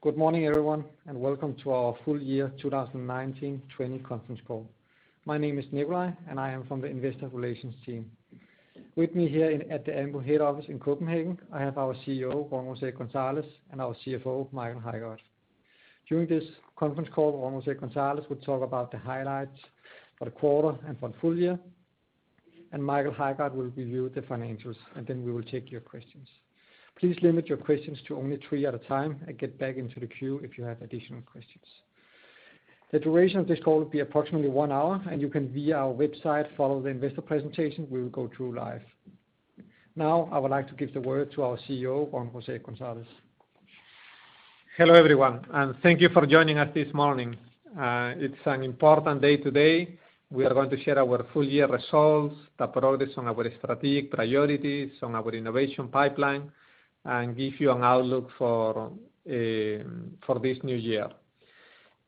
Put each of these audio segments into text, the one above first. Good morning, everyone, welcome to our full year 2019-2020 conference call. My name is Nicolai, I am from the Investor Relations team. With me here at the Ambu head office in Copenhagen, I have our Chief Executive Officer, Juan Jose Gonzalez, and our Chief Financial Officer, Michael Højgaard. During this conference call, Juan Jose Gonzalez will talk about the highlights for the quarter and for the full year, Michael Højgaard will review the financials, then we will take your questions. Please limit your questions to only three at a time get back into the queue if you have additional questions. The duration of this call will be approximately one hour, you can, via our website, follow the investor presentation we will go through live. Now, I would like to give the word to our Chief Executive Officer, Juan Jose Gonzalez. Hello, everyone, and thank you for joining us this morning. It's an important day today. We are going to share our full-year results, the progress on our strategic priorities, on our innovation pipeline, and give you an outlook for this new year.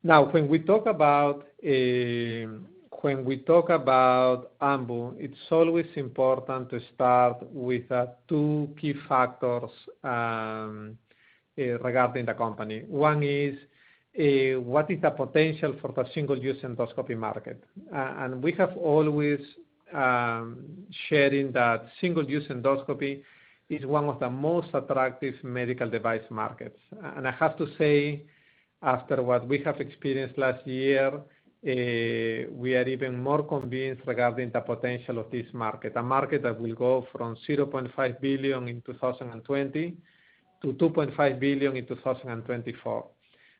Now, when we talk about Ambu, it's always important to start with two key factors regarding the company. One is what is the potential for the single-use endoscopy market? We have always shared that single-use endoscopy is one of the most attractive medical device markets. I have to say, after what we have experienced last year, we are even more convinced regarding the potential of this market. A market that will go from 0.5 billion in 2020 to 2.5 billion in 2024.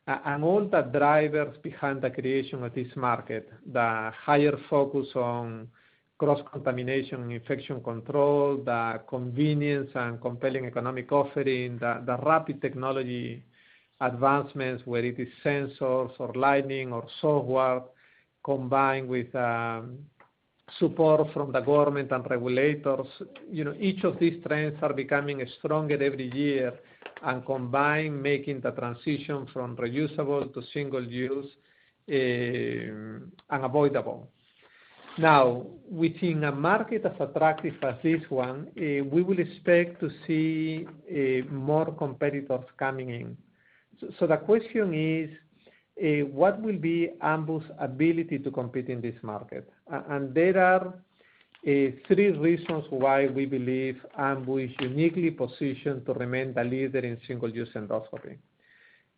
All the drivers behind the creation of this market, the higher focus on cross-contamination infection control, the convenience and compelling economic offering, the rapid technology advancements, whether it is sensors or lighting or software, combined with support from the government and regulators. Each of these trends are becoming stronger every year and combined making the transition from reusable to single-use unavoidable. Within a market as attractive as this one, we will expect to see more competitors coming in. The question is, what will be Ambu's ability to compete in this market? There are three reasons why we believe Ambu is uniquely positioned to remain the leader in single-use endoscopy.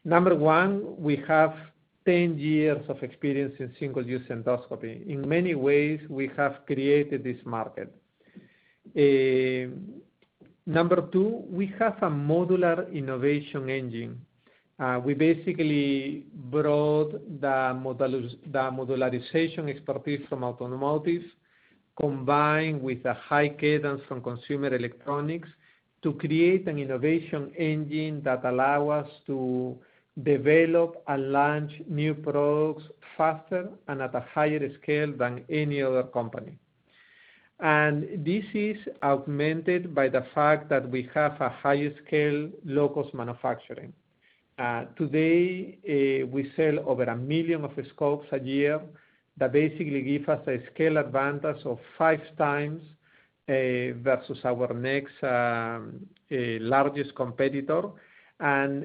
Number one, we have 10 years of experience in single-use endoscopy. In many ways, we have created this market. Number two, we have a modular innovation engine. We basically brought the modularization expertise from automotives, combined with a high cadence from consumer electronics to create an innovation engine that allow us to develop and launch new products faster and at a higher scale than any other company. This is augmented by the fact that we have a higher scale, low-cost manufacturing. Today, we sell over a million of scopes a year. That basically give us a scale advantage of five times versus our next largest competitor.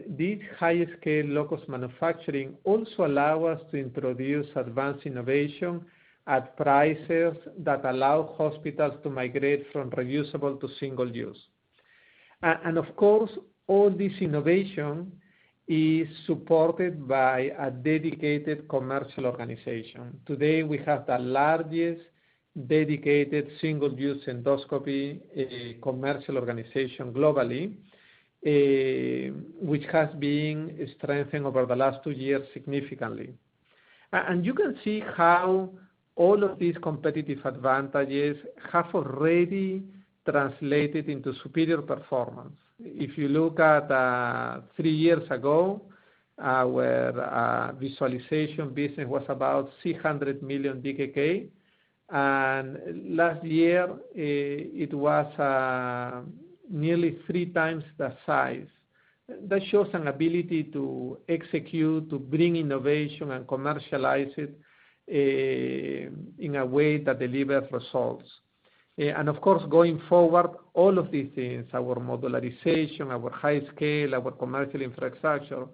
This higher scale, low-cost manufacturing also allow us to introduce advanced innovation at prices that allow hospitals to migrate from reusable to single-use. Of course, all this innovation is supported by a dedicated commercial organization. Today, we have the largest dedicated single-use endoscopy commercial organization globally, which has been strengthened over the last two years significantly. You can see how all of these competitive advantages have already translated into superior performance. If you look at three years ago, where our visualization business was about 600 million DKK, and last year, it was nearly three times the size. That shows an ability to execute, to bring innovation, and commercialize it in a way that delivers results. Of course, going forward, all of these things, our modularization, our high scale, our commercial infrastructure,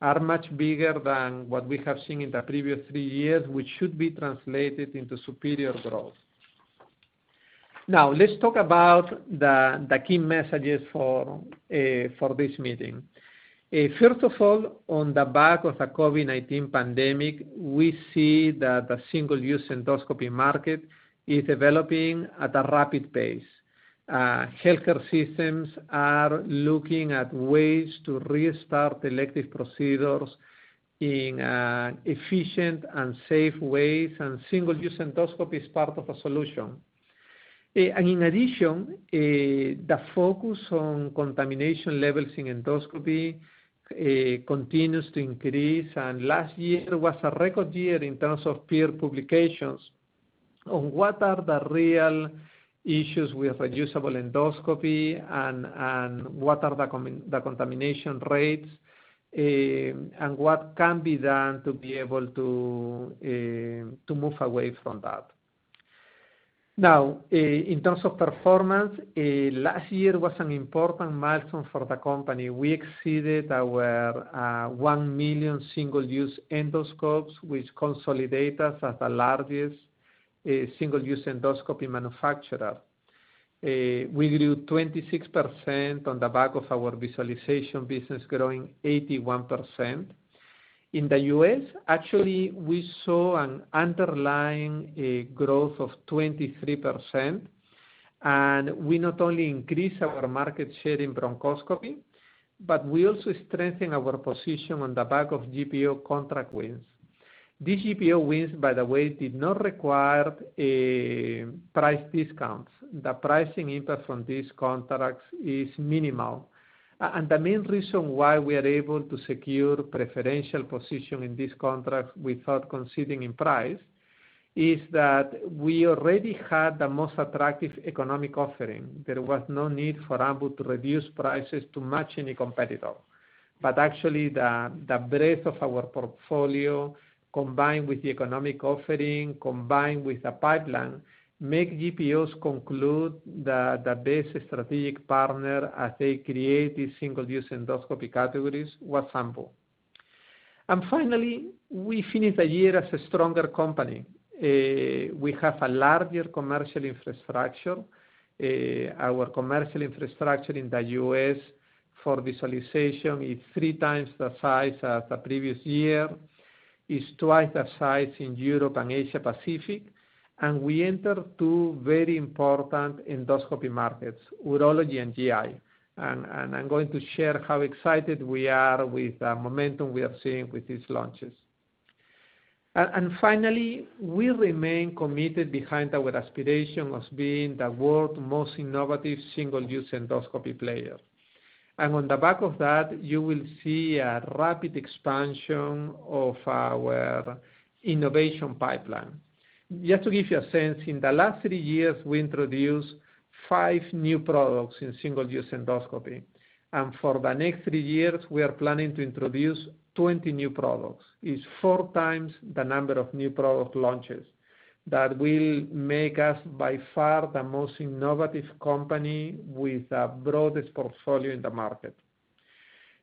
are much bigger than what we have seen in the previous three years, which should be translated into superior growth. Now, let's talk about the key messages for this meeting. First of all, on the back of the COVID-19 pandemic, we see that the single-use endoscopy market is developing at a rapid pace. Healthcare systems are looking at ways to restart elective procedures in efficient and safe ways, and single-use endoscopy is part of a solution. In addition, the focus on contamination levels in endoscopy continues to increase, and last year was a record year in terms of peer publications on what are the real issues with reusable endoscopy and what are the contamination rates, and what can be done to be able to move away from that. Now, in terms of performance, last year was an important milestone for the company. We exceeded our 1 million single-use endoscopes, which consolidate us as the largest single-use endoscopy manufacturer. We grew 26% on the back of our visualization business growing 81%. In the U.S., actually, we saw an underlying growth of 23%, we not only increased our market share in bronchoscopy, but we also strengthened our position on the back of GPO contract wins. These GPO wins, by the way, did not require price discounts. The pricing impact from these contracts is minimal, the main reason why we are able to secure preferential position in this contract without conceding in price is that we already had the most attractive economic offering. There was no need for Ambu to reduce prices to match any competitor. Actually, the breadth of our portfolio, combined with the economic offering, combined with the pipeline, make GPOs conclude that the best strategic partner as they create these single-use endoscopy categories was Ambu. Finally, we finished the year as a stronger company. We have a larger commercial infrastructure. Our commercial infrastructure in the U.S. for visualization is three times the size of the previous year, is twice the size in Europe and Asia Pacific. We entered two very important endoscopy markets, urology and GI. I'm going to share how excited we are with the momentum we are seeing with these launches. Finally, we remain committed behind our aspiration as being the world's most innovative single-use endoscopy player. On the back of that, you will see a rapid expansion of our innovation pipeline. Just to give you a sense, in the last three years, we introduced five new products in single-use endoscopy. For the next three years, we are planning to introduce 20 new products. It's four times the number of new product launches. That will make us by far the most innovative company with the broadest portfolio in the market.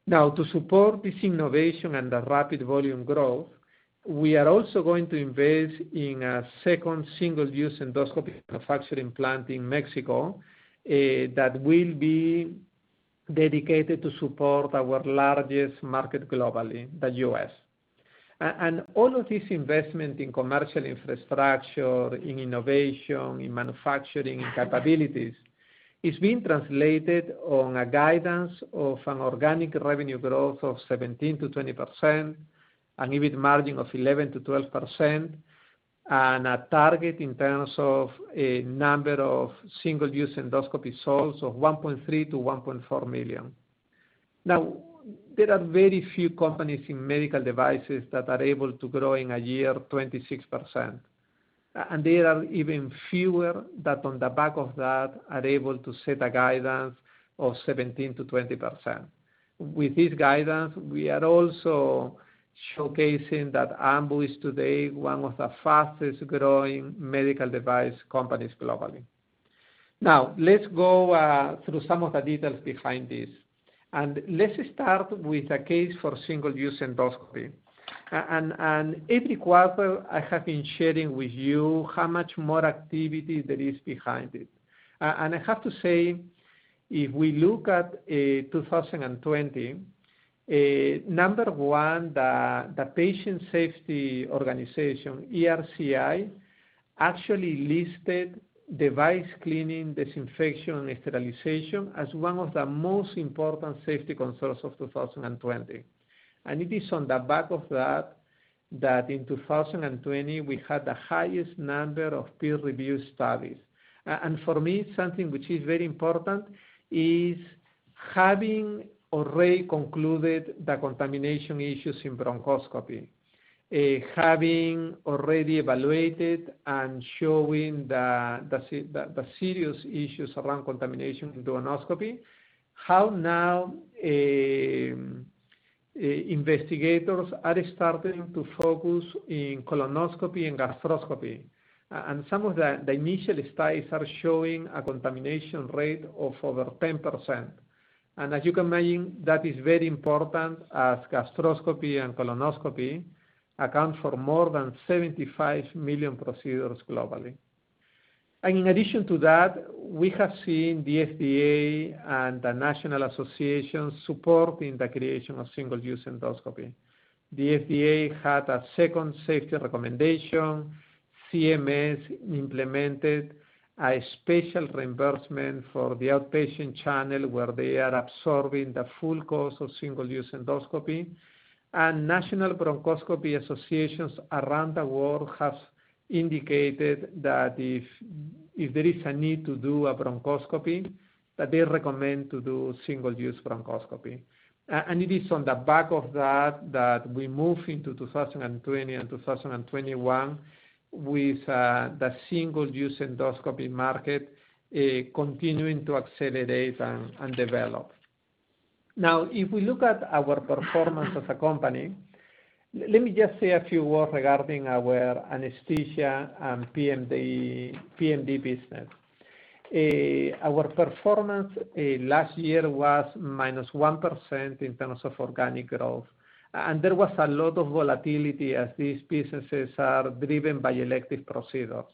To support this innovation and the rapid volume growth, we are also going to invest in a second single-use endoscopy manufacturing plant in Mexico that will be dedicated to support our largest market globally, the U.S. All of this investment in commercial infrastructure, in innovation, in manufacturing and capabilities is being translated on a guidance of an organic revenue growth of 17%-20%, an EBIT margin of 11%-12%, and a target in terms of a number of single-use endoscopy sales of 1.3 million-1.4 million. There are very few companies in medical devices that are able to grow in a year 26%, and there are even fewer that on the back of that are able to set a guidance of 17%-20%. With this guidance, we are also showcasing that Ambu is today one of the fastest-growing medical device companies globally. Now, let's go through some of the details behind this. Let's start with the case for single-use endoscopy. Every quarter, I have been sharing with you how much more activity there is behind it. I have to say, if we look at 2020, number one, the patient safety organization, ECRI, actually listed device cleaning, disinfection, and sterilization as one of the most important safety concerns of 2020. It is on the back of that in 2020, we had the highest number of peer-review studies. For me, something which is very important is having already concluded the contamination issues in bronchoscopy, having already evaluated and showing the serious issues around contamination in duodenoscopy, how now investigators are starting to focus in colonoscopy and gastroscopy. Some of the initial studies are showing a contamination rate of over 10%. As you can imagine, that is very important as gastroscopy and colonoscopy account for more than 75 million procedures globally. In addition to that, we have seen the FDA and the national associations supporting the creation of single-use endoscopy. The FDA had a second safety recommendation. CMS implemented a special reimbursement for the outpatient channel, where they are absorbing the full cost of single-use endoscopy. National bronchoscopy associations around the world have indicated that if there is a need to do a bronchoscopy, that they recommend to do single-use bronchoscopy. It is on the back of that we move into 2020 and 2021 with the single-use endoscopy market continuing to accelerate and develop. Now, if we look at our performance as a company, let me just say a few words regarding our anesthesia and PMD business. Our performance last year was -1% in terms of organic growth, there was a lot of volatility as these businesses are driven by elective procedures.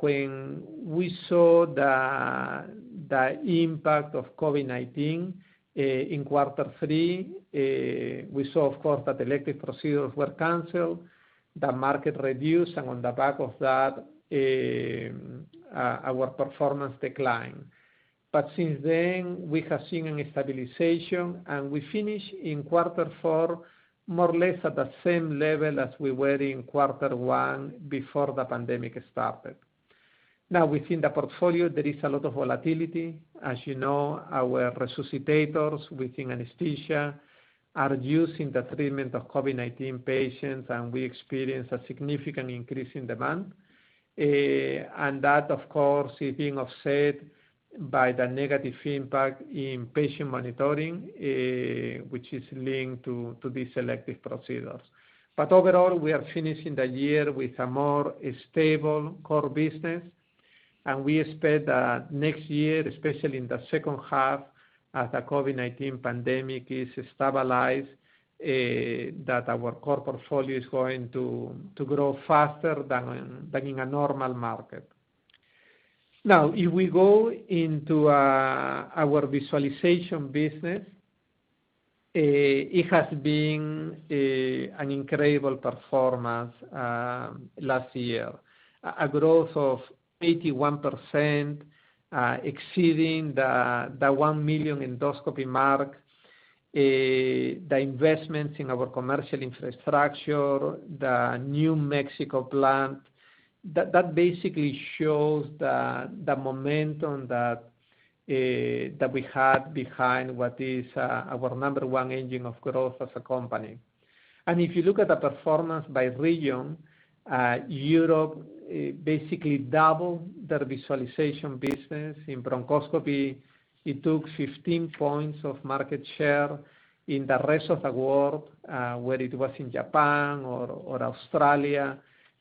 When we saw the impact of COVID-19 in quarter three, we saw, of course, that elective procedures were canceled, the market reduced, and on the back of that, our performance declined. Since then, we have seen a stabilization, and we finish in quarter four more or less at the same level as we were in quarter one before the pandemic started. Now within the portfolio, there is a lot of volatility. As you know, our resuscitators within anesthesia are used in the treatment of COVID-19 patients, and we experience a significant increase in demand. That, of course, is being offset by the negative impact in Patient Monitoring, which is linked to these elective procedures. Overall, we are finishing the year with a more stable core business, and we expect that next year, especially in the second half as the COVID-19 pandemic is stabilized, that our core portfolio is going to grow faster than in a normal market. If we go into our visualization business, it has been an incredible performance last year. A growth of 81%, exceeding the 1 million endoscopy mark. The investments in our commercial infrastructure, the Mexico plant, that basically shows the momentum that we had behind what is our number one engine of growth as a company. If you look at the performance by region, Europe basically doubled their visualization business. In bronchoscopy, it took 15 points of market share. In the rest of the world, whether it was in Japan or Australia,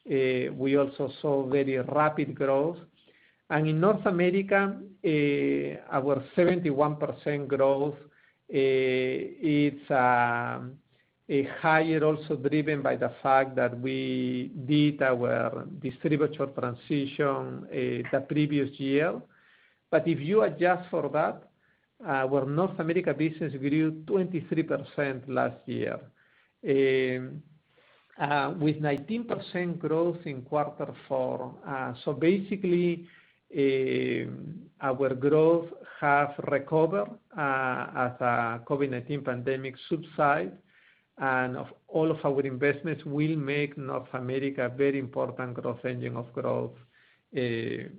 we also saw very rapid growth. In North America, our 71% growth, it's higher also driven by the fact that we did our distributor transition the previous year. If you adjust for that, our North America business grew 23% last year, with 19% growth in quarter four. Basically, our growth have recovered as the COVID-19 pandemic subside, and of all of our investments will make North America a very important growth engine of growth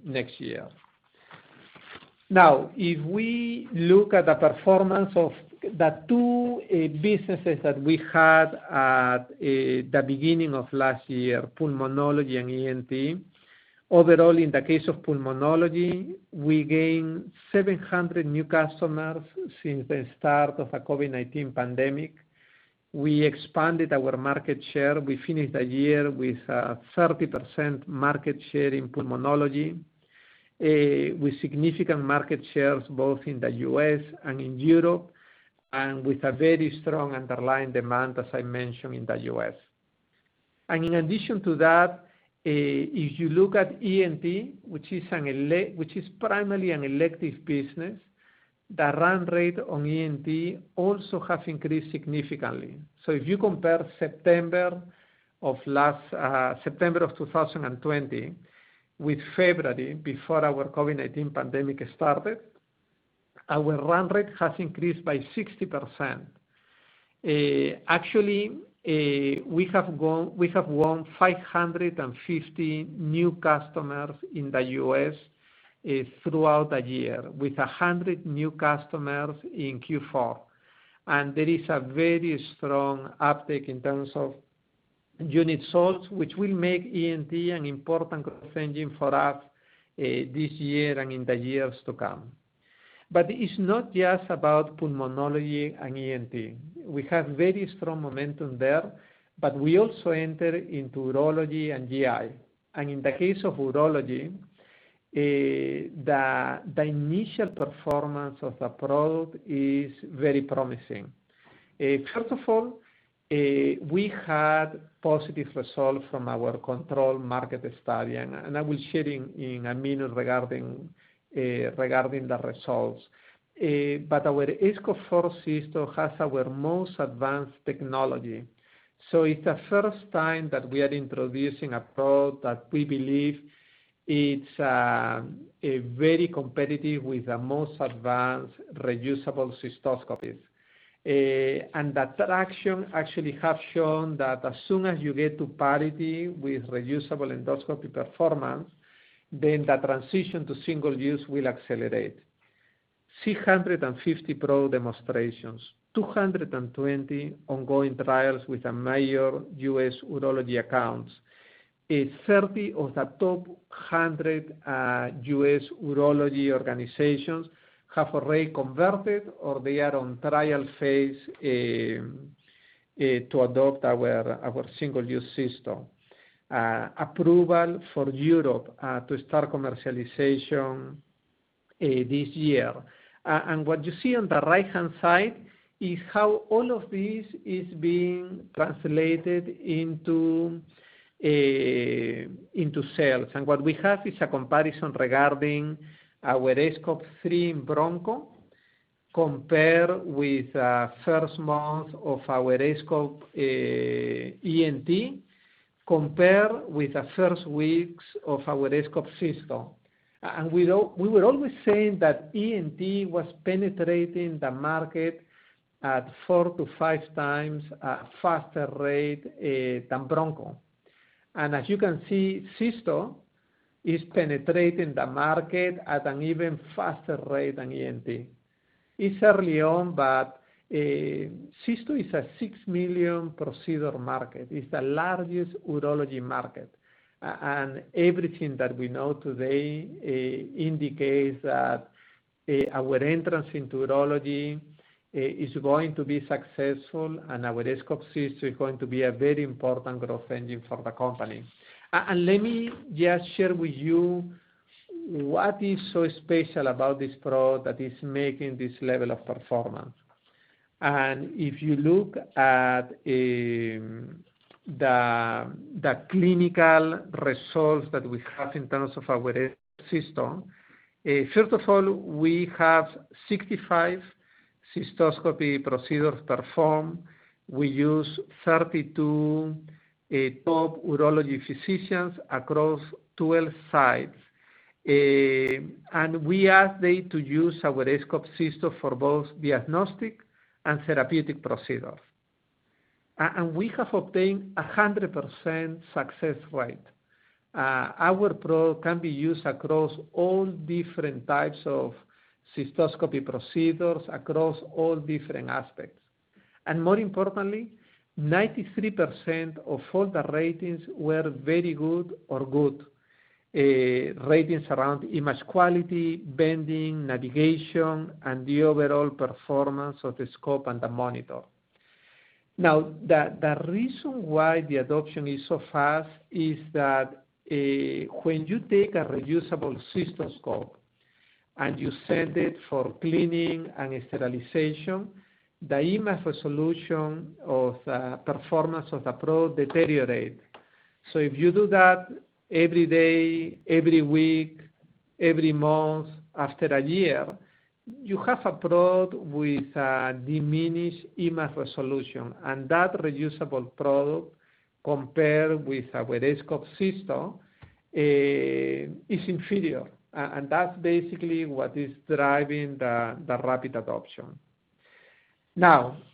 next year. If we look at the performance of the two businesses that we had at the beginning of last year, pulmonology and ENT. Overall, in the case of pulmonology, we gained 700 new customers since the start of the COVID-19 pandemic. We expanded our market share. We finished the year with a 30% market share in pulmonology, with significant market shares both in the U.S. and in Europe, and with a very strong underlying demand, as I mentioned, in the U.S. In addition to that, if you look at ENT, which is primarily an elective business, the run rate on ENT also have increased significantly. If you compare September of 2020 with February, before our COVID-19 pandemic started, our run rate has increased by 60%. Actually, we have won 550 new customers in the U.S. throughout the year, with 100 new customers in Q4. There is a very strong uptick in terms of units sold, which will make ENT an important growth engine for us this year and in the years to come. It's not just about pulmonology and ENT. We have very strong momentum there. We also enter into urology and GI. In the case of urology, the initial performance of the product is very promising. First of all, we had positive results from our control market study, and I will share in a minute regarding the results. Our aScope 4 system has our most advanced technology. It's the first time that we are introducing a product that we believe it's very competitive with the most advanced reusable cystoscopes. That action actually have shown that as soon as you get to parity with reusable endoscopy performance, then the transition to single-use will accelerate. 650 product demonstrations. 220 ongoing trials with major U.S. urology accounts. 30 of the top 100 U.S. urology organizations have already converted or they are on trial phase to adopt our single-use system. Approval for Europe to start commercialization this year. What you see on the right-hand side is how all of this is being translated into sales. What we have is a comparison regarding our aScope 3 Broncho compared with the first month of our aScope ENT, compared with the first weeks of our aScope Cysto. We were always saying that ENT was penetrating the market at four to five times faster rate than broncho. As you can see, Cysto is penetrating the market at an even faster rate than ENT. It's early on, but Cysto is a 6 million procedure market. It's the largest urology market. Everything that we know today indicates that our entrance into urology is going to be successful, and our aScope Cysto is going to be a very important growth engine for the company. Let me just share with you what is so special about this product that is making this level of performance. If you look at the clinical results that we have in terms of our Cysto. First of all, we have 65 cystoscopy procedures performed. We use 32 top urology physicians across 12 sites, and we ask them to use our aScope Cysto for both diagnostic and therapeutic procedures. We have obtained 100% success rate. Our product can be used across all different types of cystoscopy procedures, across all different aspects. More importantly, 93% of all the ratings were very good or good ratings around image quality, bending, navigation, and the overall performance of the scope and the monitor. The reason why the adoption is so fast is that when you take a reusable cystoscope and you send it for cleaning and sterilization, the image resolution of the performance of the product deteriorates. If you do that every day, every week, every month, after a year, you have a product with a diminished image resolution, and that reusable product, compared with our aScope Cysto, is inferior. That's basically what is driving the rapid adoption.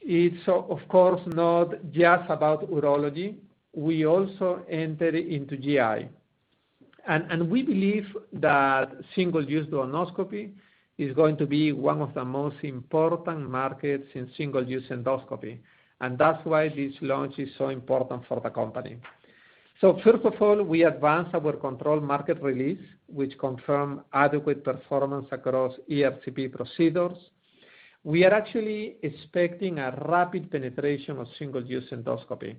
It's of course not just about urology. We also enter into GI. We believe that single-use duodenoscopy is going to be one of the most important markets in single-use endoscopy, and that's why this launch is so important for the company. First of all, we advanced our controlled market release, which confirmed adequate performance across ERCP procedures. We are actually expecting a rapid penetration of single-use endoscopy.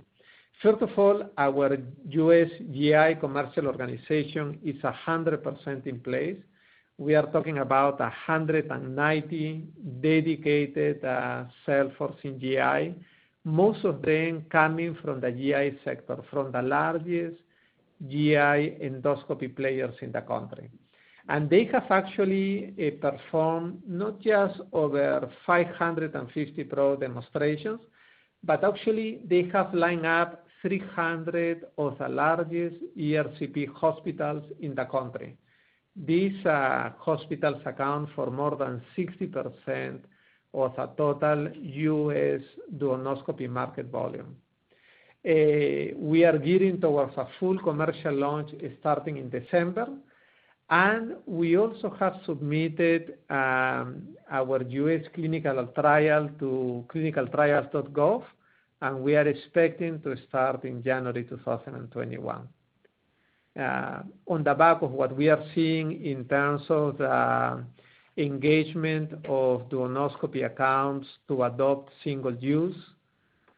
First of all, our U.S. GI commercial organization is 100% in place. We are talking about 190 dedicated salesforce in GI, most of them coming from the GI sector, from the largest GI endoscopy players in the country. They have actually performed not just over 550 product demonstrations, but actually, they have lined up 300 of the largest ERCP hospitals in the country. These hospitals account for more than 60% of the total U.S. duodenoscopy market volume. We are gearing towards a full commercial launch starting in December, and we also have submitted our U.S. clinical trial to clinicaltrials.gov, and we are expecting to start in January 2021. On the back of what we are seeing in terms of the engagement of duodenoscopy accounts to adopt single-use,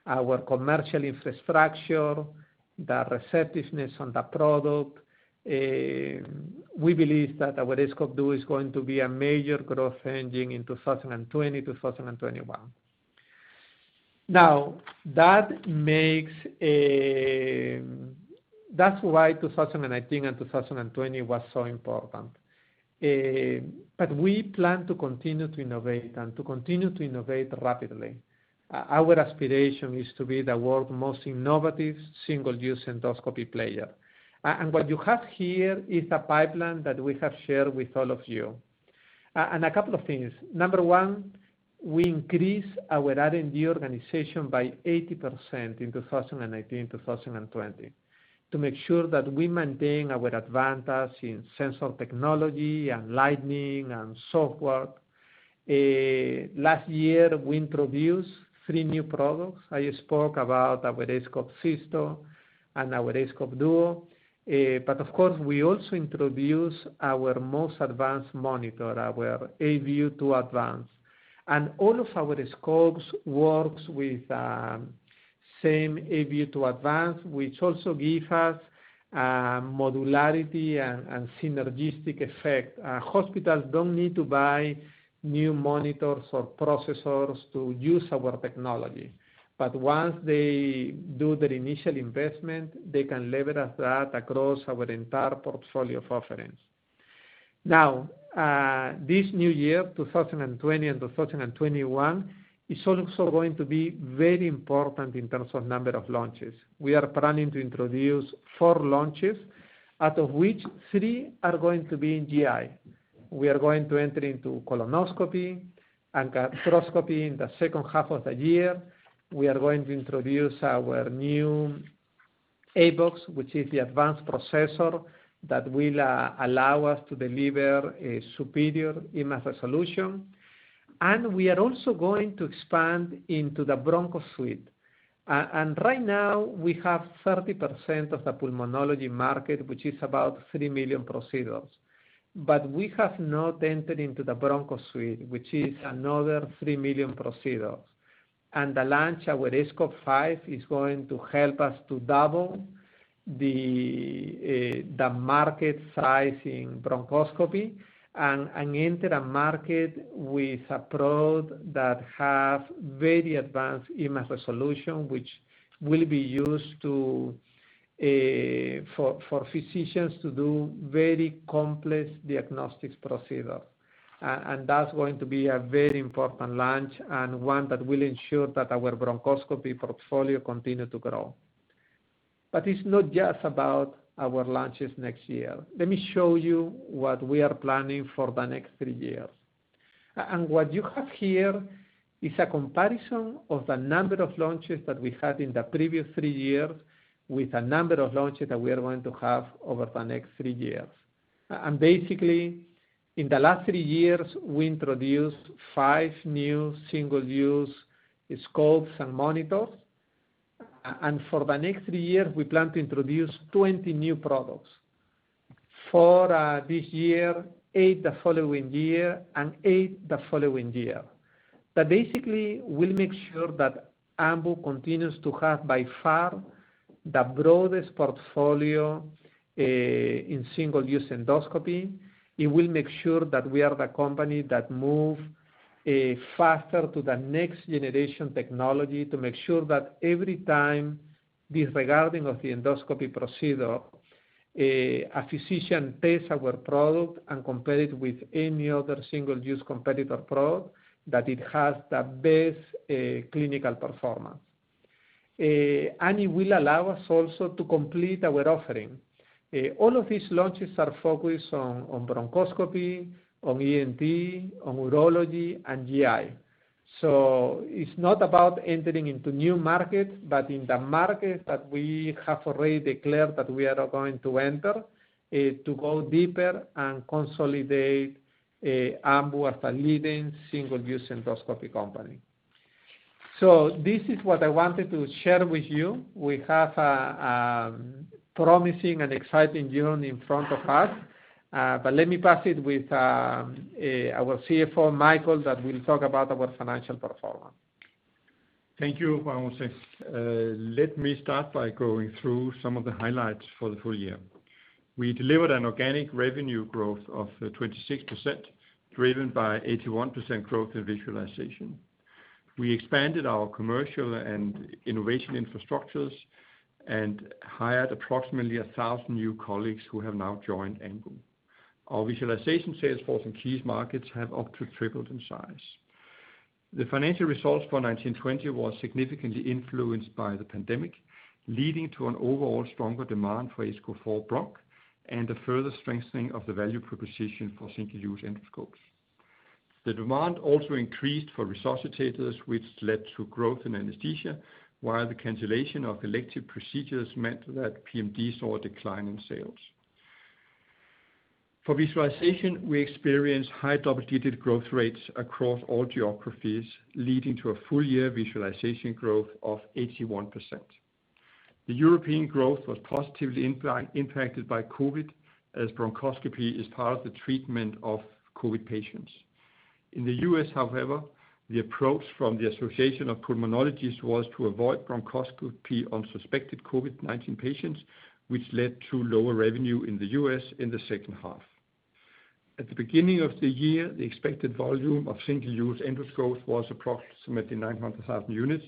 our commercial infrastructure, the receptiveness on the product, we believe that our aScope Duodeno is going to be a major growth engine in 2020, 2021. That's why 2019 and 2020 were so important. We plan to continue to innovate and to continue to innovate rapidly. Our aspiration is to be the world's most innovative single-use endoscopy player. What you have here is the pipeline that we have shared with all of you. A couple of things. Number one. We increased our R&D organization by 80% in 2019-2020 to make sure that we maintain our advantage in sensor technology, lighting, and software. Last year, we introduced three new products. I spoke about our aScope Cysto and our aScope Duodeno. Of course, we also introduced our most advanced monitor, our aView 2 Advance. All of our scopes works with same aView 2 Advance, which also give us modularity and synergistic effect. Hospitals don't need to buy new monitors or processors to use our technology. Once they do their initial investment, they can leverage that across our entire portfolio of offerings. Now, this new year, 2020 and 2021, is also going to be very important in terms of number of launches. We are planning to introduce four launches, out of which three are going to be in GI. We are going to enter into colonoscopy and gastroscopy in the second half of the year. We are going to introduce our new aBox, which is the advanced processor that will allow us to deliver a superior image solution. We are also going to expand into the broncho suite. Right now, we have 30% of the pulmonology market, which is about 3 million procedures. We have not entered into the broncho suite, which is another 3 million procedures. The launch, our aScope 5, is going to help us to double the market size in bronchoscopy and enter the market with a product that have very advanced image solution, which will be used for physicians to do very complex diagnostics procedure. That's going to be a very important launch and one that will ensure that our bronchoscopy portfolio continue to grow. It's not just about our launches next year. Let me show you what we are planning for the next three years. What you have here is a comparison of the number of launches that we had in the previous three years with the number of launches that we are going to have over the next three years. Basically, in the last three years, we introduced five new single-use scopes and monitors. For the next three years, we plan to introduce 20 new products. Four this year, eight the following year, and eight the following year. That basically will make sure that Ambu continues to have, by far, the broadest portfolio in single-use endoscopy. It will make sure that we are the company that move faster to the next-generation technology to make sure that every time, disregarding of the endoscopy procedure, a physician tests our product and compare it with any other single-use competitor product, that it has the best clinical performance. It will allow us also to complete our offering. All of these launches are focused on bronchoscopy, on ENT, on urology, and GI. It's not about entering into new markets, but in the market that we have already declared that we are going to enter, to go deeper and consolidate Ambu as a leading single-use endoscopy company. This is what I wanted to share with you. We have a promising and exciting journey in front of us. Let me pass it with our Chief Financial Officer, Michael, that will talk about our financial performance. Thank you, Juan Jose. Let me start by going through some of the highlights for the full year. We delivered an organic revenue growth of 26%, driven by 81% growth in visualization. We expanded our commercial and innovation infrastructures and hired approximately 1,000 new colleagues who have now joined Ambu. Our visualization sales force in key markets have up to tripled in size. The financial results for 2019-2020 was significantly influenced by the pandemic, leading to an overall stronger demand for aScope 4 Broncho and a further strengthening of the value proposition for single-use endoscopes. The demand also increased for resuscitators, which led to growth in anesthesia, while the cancellation of elective procedures meant that PMD saw a decline in sales. For visualization, we experienced high double-digit growth rates across all geographies, leading to a full year visualization growth of 81%. The European growth was positively impacted by COVID-19, as bronchoscopy is part of the treatment of COVID-19 patients. In the U.S., however, the approach from the Association of Pulmonologists was to avoid bronchoscopy on suspected COVID-19 patients, which led to lower revenue in the U.S. in the second half. At the beginning of the year, the expected volume of single-use endoscopes was approximately 900,000 units.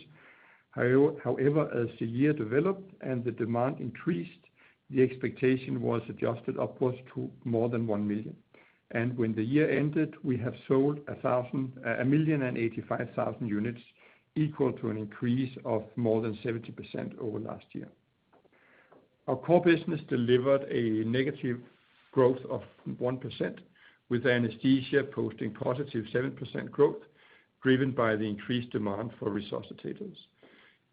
However, as the year developed and the demand increased, the expectation was adjusted upwards to more than 1 million. When the year ended, we have sold 1,085,000 units, equal to an increase of more than 70% over last year. Our core business delivered a negative growth of 1%, with anesthesia posting +7% growth driven by the increased demand for resuscitators.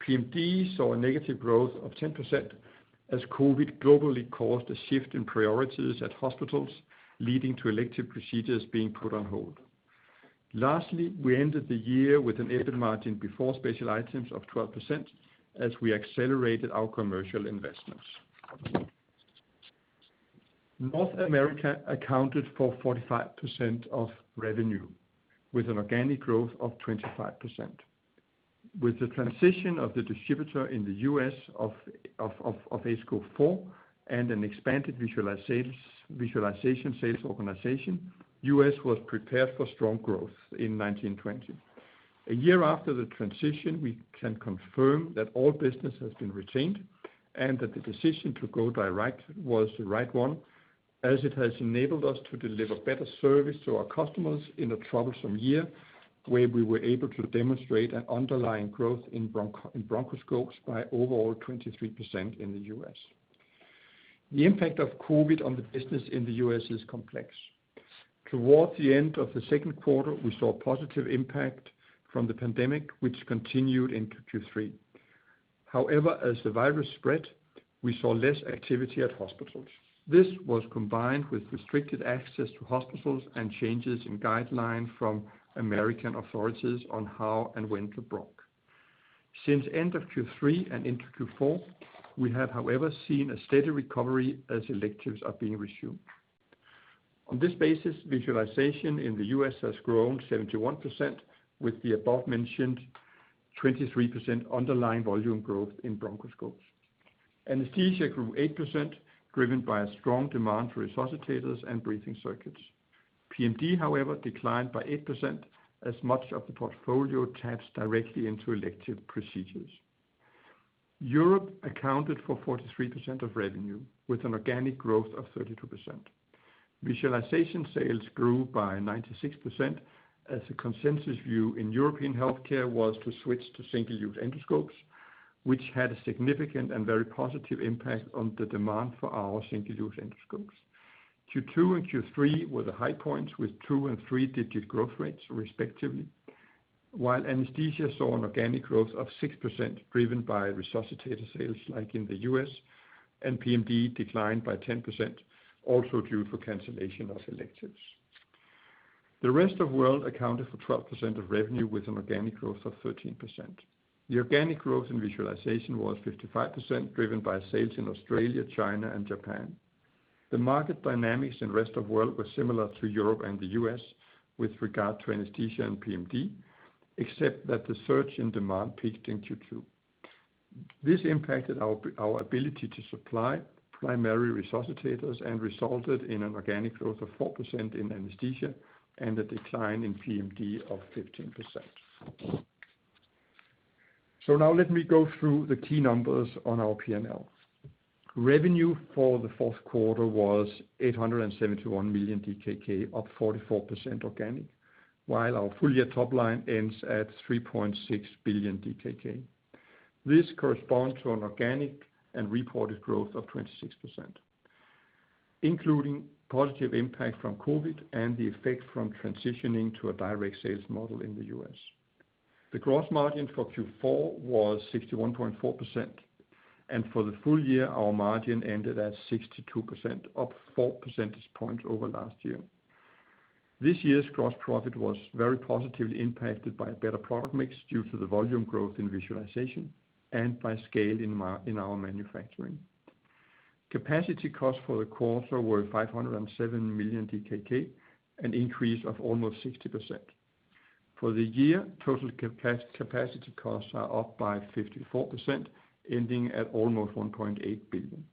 PMD saw a negative growth of 10% as COVID-19 globally caused a shift in priorities at hospitals, leading to elective procedures being put on hold. We ended the year with an EBIT margin before special items of 12% as we accelerated our commercial investments. North America accounted for 45% of revenue with an organic growth of 25%. With the transition of the distributor in the U.S. of aScope 4 and an expanded visualization sales organization, U.S. was prepared for strong growth in 2019/2020. A year after the transition, we can confirm that all business has been retained and that the decision to go direct was the right one, as it has enabled us to deliver better service to our customers in a troublesome year, where we were able to demonstrate an underlying growth in bronchoscopes by overall 23% in the U.S. The impact of COVID-19 on the business in the U.S. is complex. Towards the end of the second quarter, we saw positive impact from the pandemic, which continued into Q3. However, as the virus spread, we saw less activity at hospitals. This was combined with restricted access to hospitals and changes in guideline from American authorities on how and when to bronchoscopes. Since end of Q3 and into Q4, we have, however, seen a steady recovery as electives are being resumed. On this basis, visualization in the U.S. has grown 71% with the above-mentioned 23% underlying volume growth in bronchoscopes. Anesthesia grew 8%, driven by a strong demand for resuscitators and breathing circuits. PMD, however, declined by 8%, as much of the portfolio taps directly into elective procedures. Europe accounted for 43% of revenue with an organic growth of 32%. Visualization sales grew by 96% as the consensus view in European healthcare was to switch to single-use endoscopes, which had a significant and very positive impact on the demand for our single-use endoscopes. Q2 and Q3 were the high points with two and three-digit growth rates respectively. Anesthesia saw an organic growth of 6% driven by resuscitator sales like in the U.S., and PMD declined by 10%, also due to cancellation of electives. Rest of world accounted for 12% of revenue with an organic growth of 13%. Organic growth in Visualization was 55%, driven by sales in Australia, China, and Japan. The market dynamics in rest of world were similar to Europe and the U.S. with regard to anesthesia and PMD, except that the surge in demand peaked in Q2. This impacted our ability to supply primary resuscitators and resulted in an organic growth of 4% in anesthesia and a decline in PMD of 15%. Now let me go through the key numbers on our P&L. Revenue for the fourth quarter was 871 million DKK, up 44% organic, while our full-year top line ends at 3.6 billion DKK. This corresponds to an organic and reported growth of 26%, including positive impact from COVID-19 and the effect from transitioning to a direct sales model in the U.S. The gross margin for Q4 was 61.4%, and for the full year, our margin ended at 62%, up 4 percentage points over last year. This year's gross profit was very positively impacted by a better product mix due to the volume growth in visualization and by scale in our manufacturing. Capacity costs for the quarter were 507 million DKK, an increase of almost 60%. For the year, total capacity costs are up by 54%, ending at almost 1.8 billion.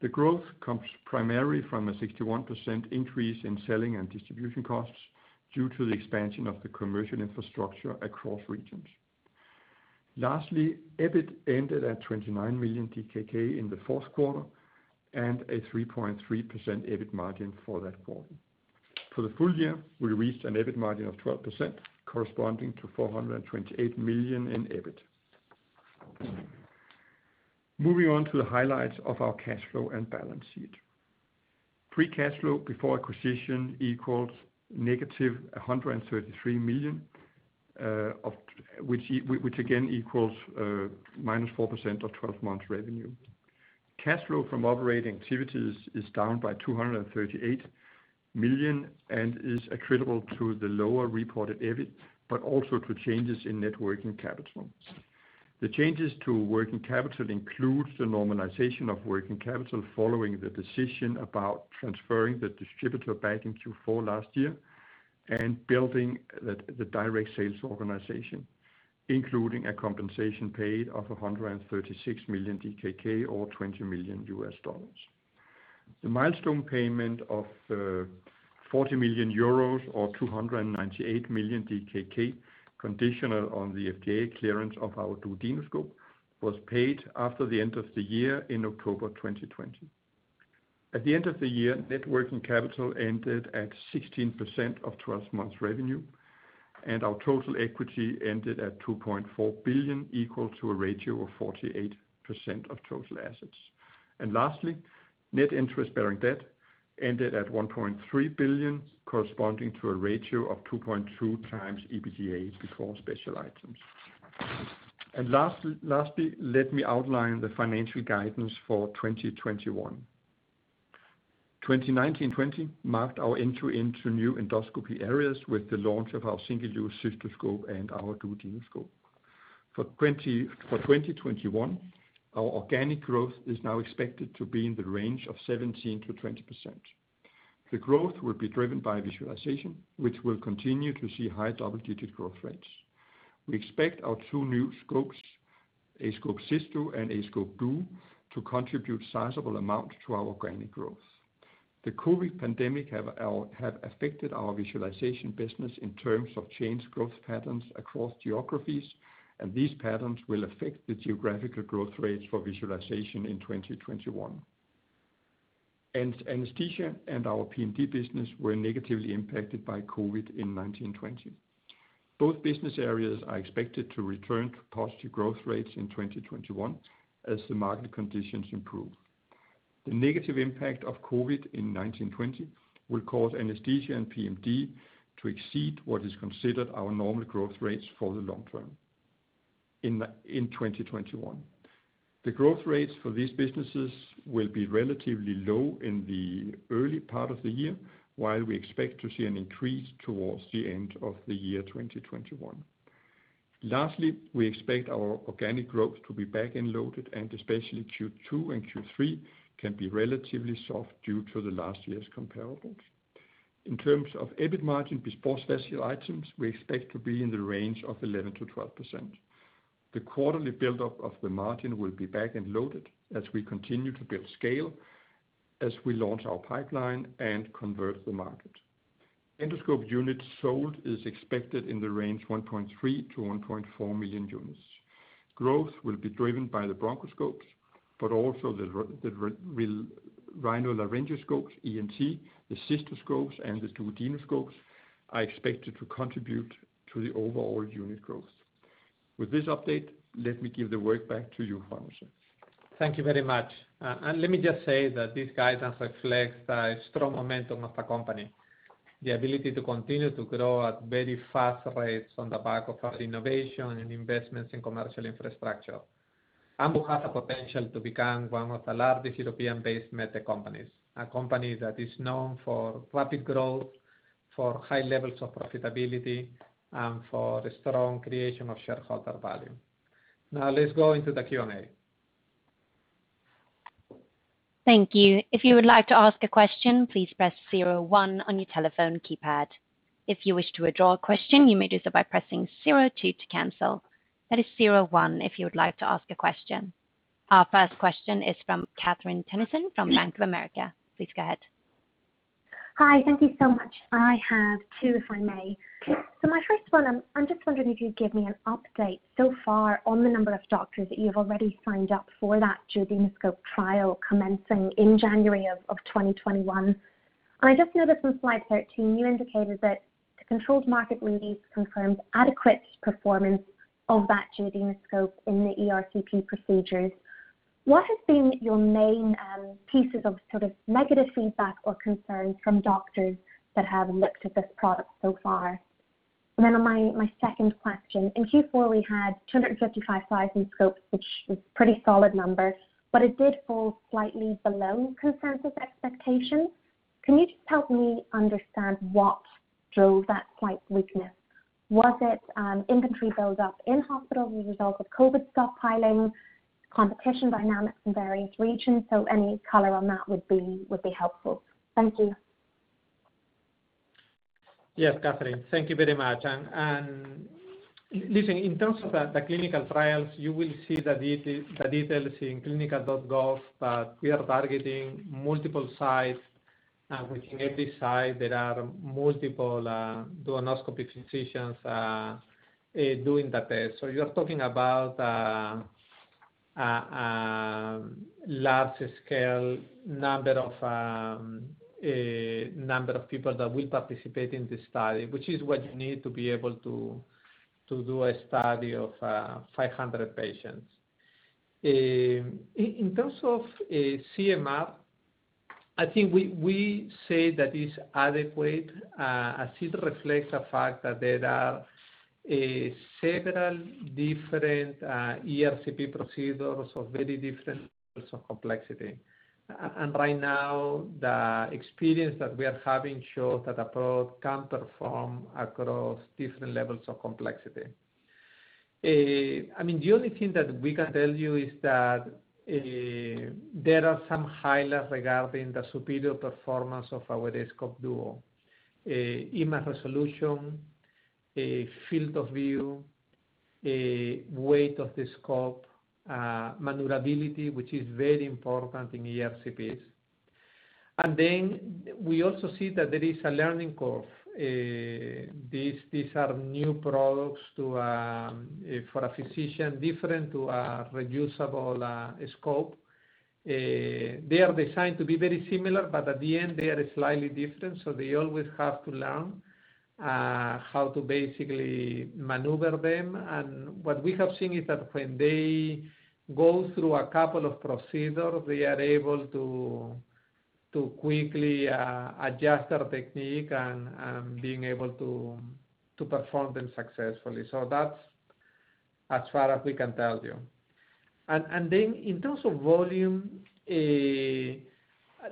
The growth comes primarily from a 61% increase in selling and distribution costs due to the expansion of the commercial infrastructure across regions. EBIT ended at 29 million DKK in the fourth quarter and a 3.3% EBIT margin for that quarter. For the full year, we reached an EBIT margin of 12%, corresponding to 428 million in EBIT. Moving on to the highlights of our cash flow and balance sheet. Free cash flow before acquisition equals -133 million, which again equals -4% of 12 months revenue. Cash flow from operating activities is down by 238 million and is attributable to the lower reported EBIT, but also to changes in net working capital. The changes to working capital includes the normalization of working capital following the decision about transferring the distributor back in Q4 last year and building the direct sales organization, including a compensation paid of 136 million DKK or $20 million. The milestone payment of 40 million euros or 298 million DKK conditional on the FDA clearance of our duodenoscope was paid after the end of the year in October 2020. At the end of the year, net working capital ended at 16% of 12 months revenue, and our total equity ended at 2.4 billion, equal to a ratio of 48% of total assets. Lastly, net interest-bearing debt ended at 1.3 billion, corresponding to a ratio of 2.2x EBITDA before special items. Lastly, let me outline the financial guidance for 2021. 2019/2020 marked our entry into new endoscopy areas with the launch of our single-use cystoscope and our duodenoscope. For 2021, our organic growth is now expected to be in the range of 17%-20%. The growth will be driven by visualization, which will continue to see high double-digit growth rates. We expect our two new scopes, aScope Cysto and aScope Duo, to contribute a sizable amount to our organic growth. The COVID-19 pandemic have affected our visualization business in terms of changed growth patterns across geographies. These patterns will affect the geographical growth rates for visualization in 2021. Anesthesia and our PMD business were negatively impacted by COVID-19 in 2019/2020. Both business areas are expected to return to positive growth rates in 2021 as the market conditions improve. The negative impact of COVID-19 in 2019/2020 will cause anesthesia and PMD to exceed what is considered our normal growth rates for the long term in 2021. The growth rates for these businesses will be relatively low in the early part of the year, while we expect to see an increase towards the end of the year 2021. Lastly, we expect our organic growth to be back-end loaded, and especially Q2 and Q3 can be relatively soft due to the last year's comparables. In terms of EBIT margin before special items, we expect to be in the range of 11%-12%. The quarterly build-up of the margin will be back-end loaded as we continue to build scale, as we launch our pipeline and convert the market. Endoscope units sold is expected in the range 1.3 million-1.4 million units. Growth will be driven by the bronchoscope, but also the rhinolaryngoscope, ENT, the cystoscopes, and the duodenoscopes are expected to contribute to the overall unit growth. With this update, let me give the work back to you, Juan Jose. Thank you very much. Let me just say that this guidance reflects the strong momentum of the company, the ability to continue to grow at very fast rates on the back of our innovation and investments in commercial infrastructure. Ambu has the potential to become one of the largest European-based med tech companies. A company that is known for rapid growth, for high levels of profitability, and for the strong creation of shareholder value. Now let's go into the Q&A. Thank you. If you would like to ask a question, please press zero one on your telephone keypad. If you wish to withdraw a question, you may do so by pressing zero two to cancel. That is zero one if you would like to ask a question. Our first question is from Catherine Tennyson from Bank of America. Please go ahead. Hi. Thank you so much. I have two, if I may. Okay. My first one, I'm just wondering if you could give me an update so far on the number of doctors that you have already signed up for that duodenoscope trial commencing in January of 2021. I just noticed on slide 13, you indicated that the controlled market release confirms adequate performance of that duodenoscope in the ERCP procedures. What has been your main pieces of sort of negative feedback or concerns from doctors that have looked at this product so far? On my second question, in Q4, we had 255,000 scopes, which is a pretty solid number, but it did fall slightly below consensus expectations. Can you just help me understand what drove that slight weakness? Was it inventory build-up in hospitals as a result of COVID stockpiling, competition dynamics in various regions? Any color on that would be helpful. Thank you. Yes, Catherine. Thank you very much. Listen, in terms of the clinical trials, you will see the details in ClinicalTrials.gov, but we are targeting multiple sites. Within every site, there are multiple duodenoscopic physicians doing the test. You're talking about a large scale number of people that will participate in this study, which is what you need to be able to do a study of 500 patients. In terms of CMR, I think we say that it's adequate as it reflects the fact that there are several different ERCP procedures of very different levels of complexity. Right now, the experience that we are having shows that approach can perform across different levels of complexity. The only thing that we can tell you is that there are some highlights regarding the superior performance of our aScope Duo. Image resolution, field of view, weight of the scope, maneuverability, which is very important in ERCPs. We also see that there is a learning curve. These are new products for a physician, different to a reusable scope. They are designed to be very similar, but at the end they are slightly different, so they always have to learn how to basically maneuver them. What we have seen is that when they go through a couple of procedures, they are able to quickly adjust their technique and being able to perform them successfully. That's as far as we can tell you. In terms of volume,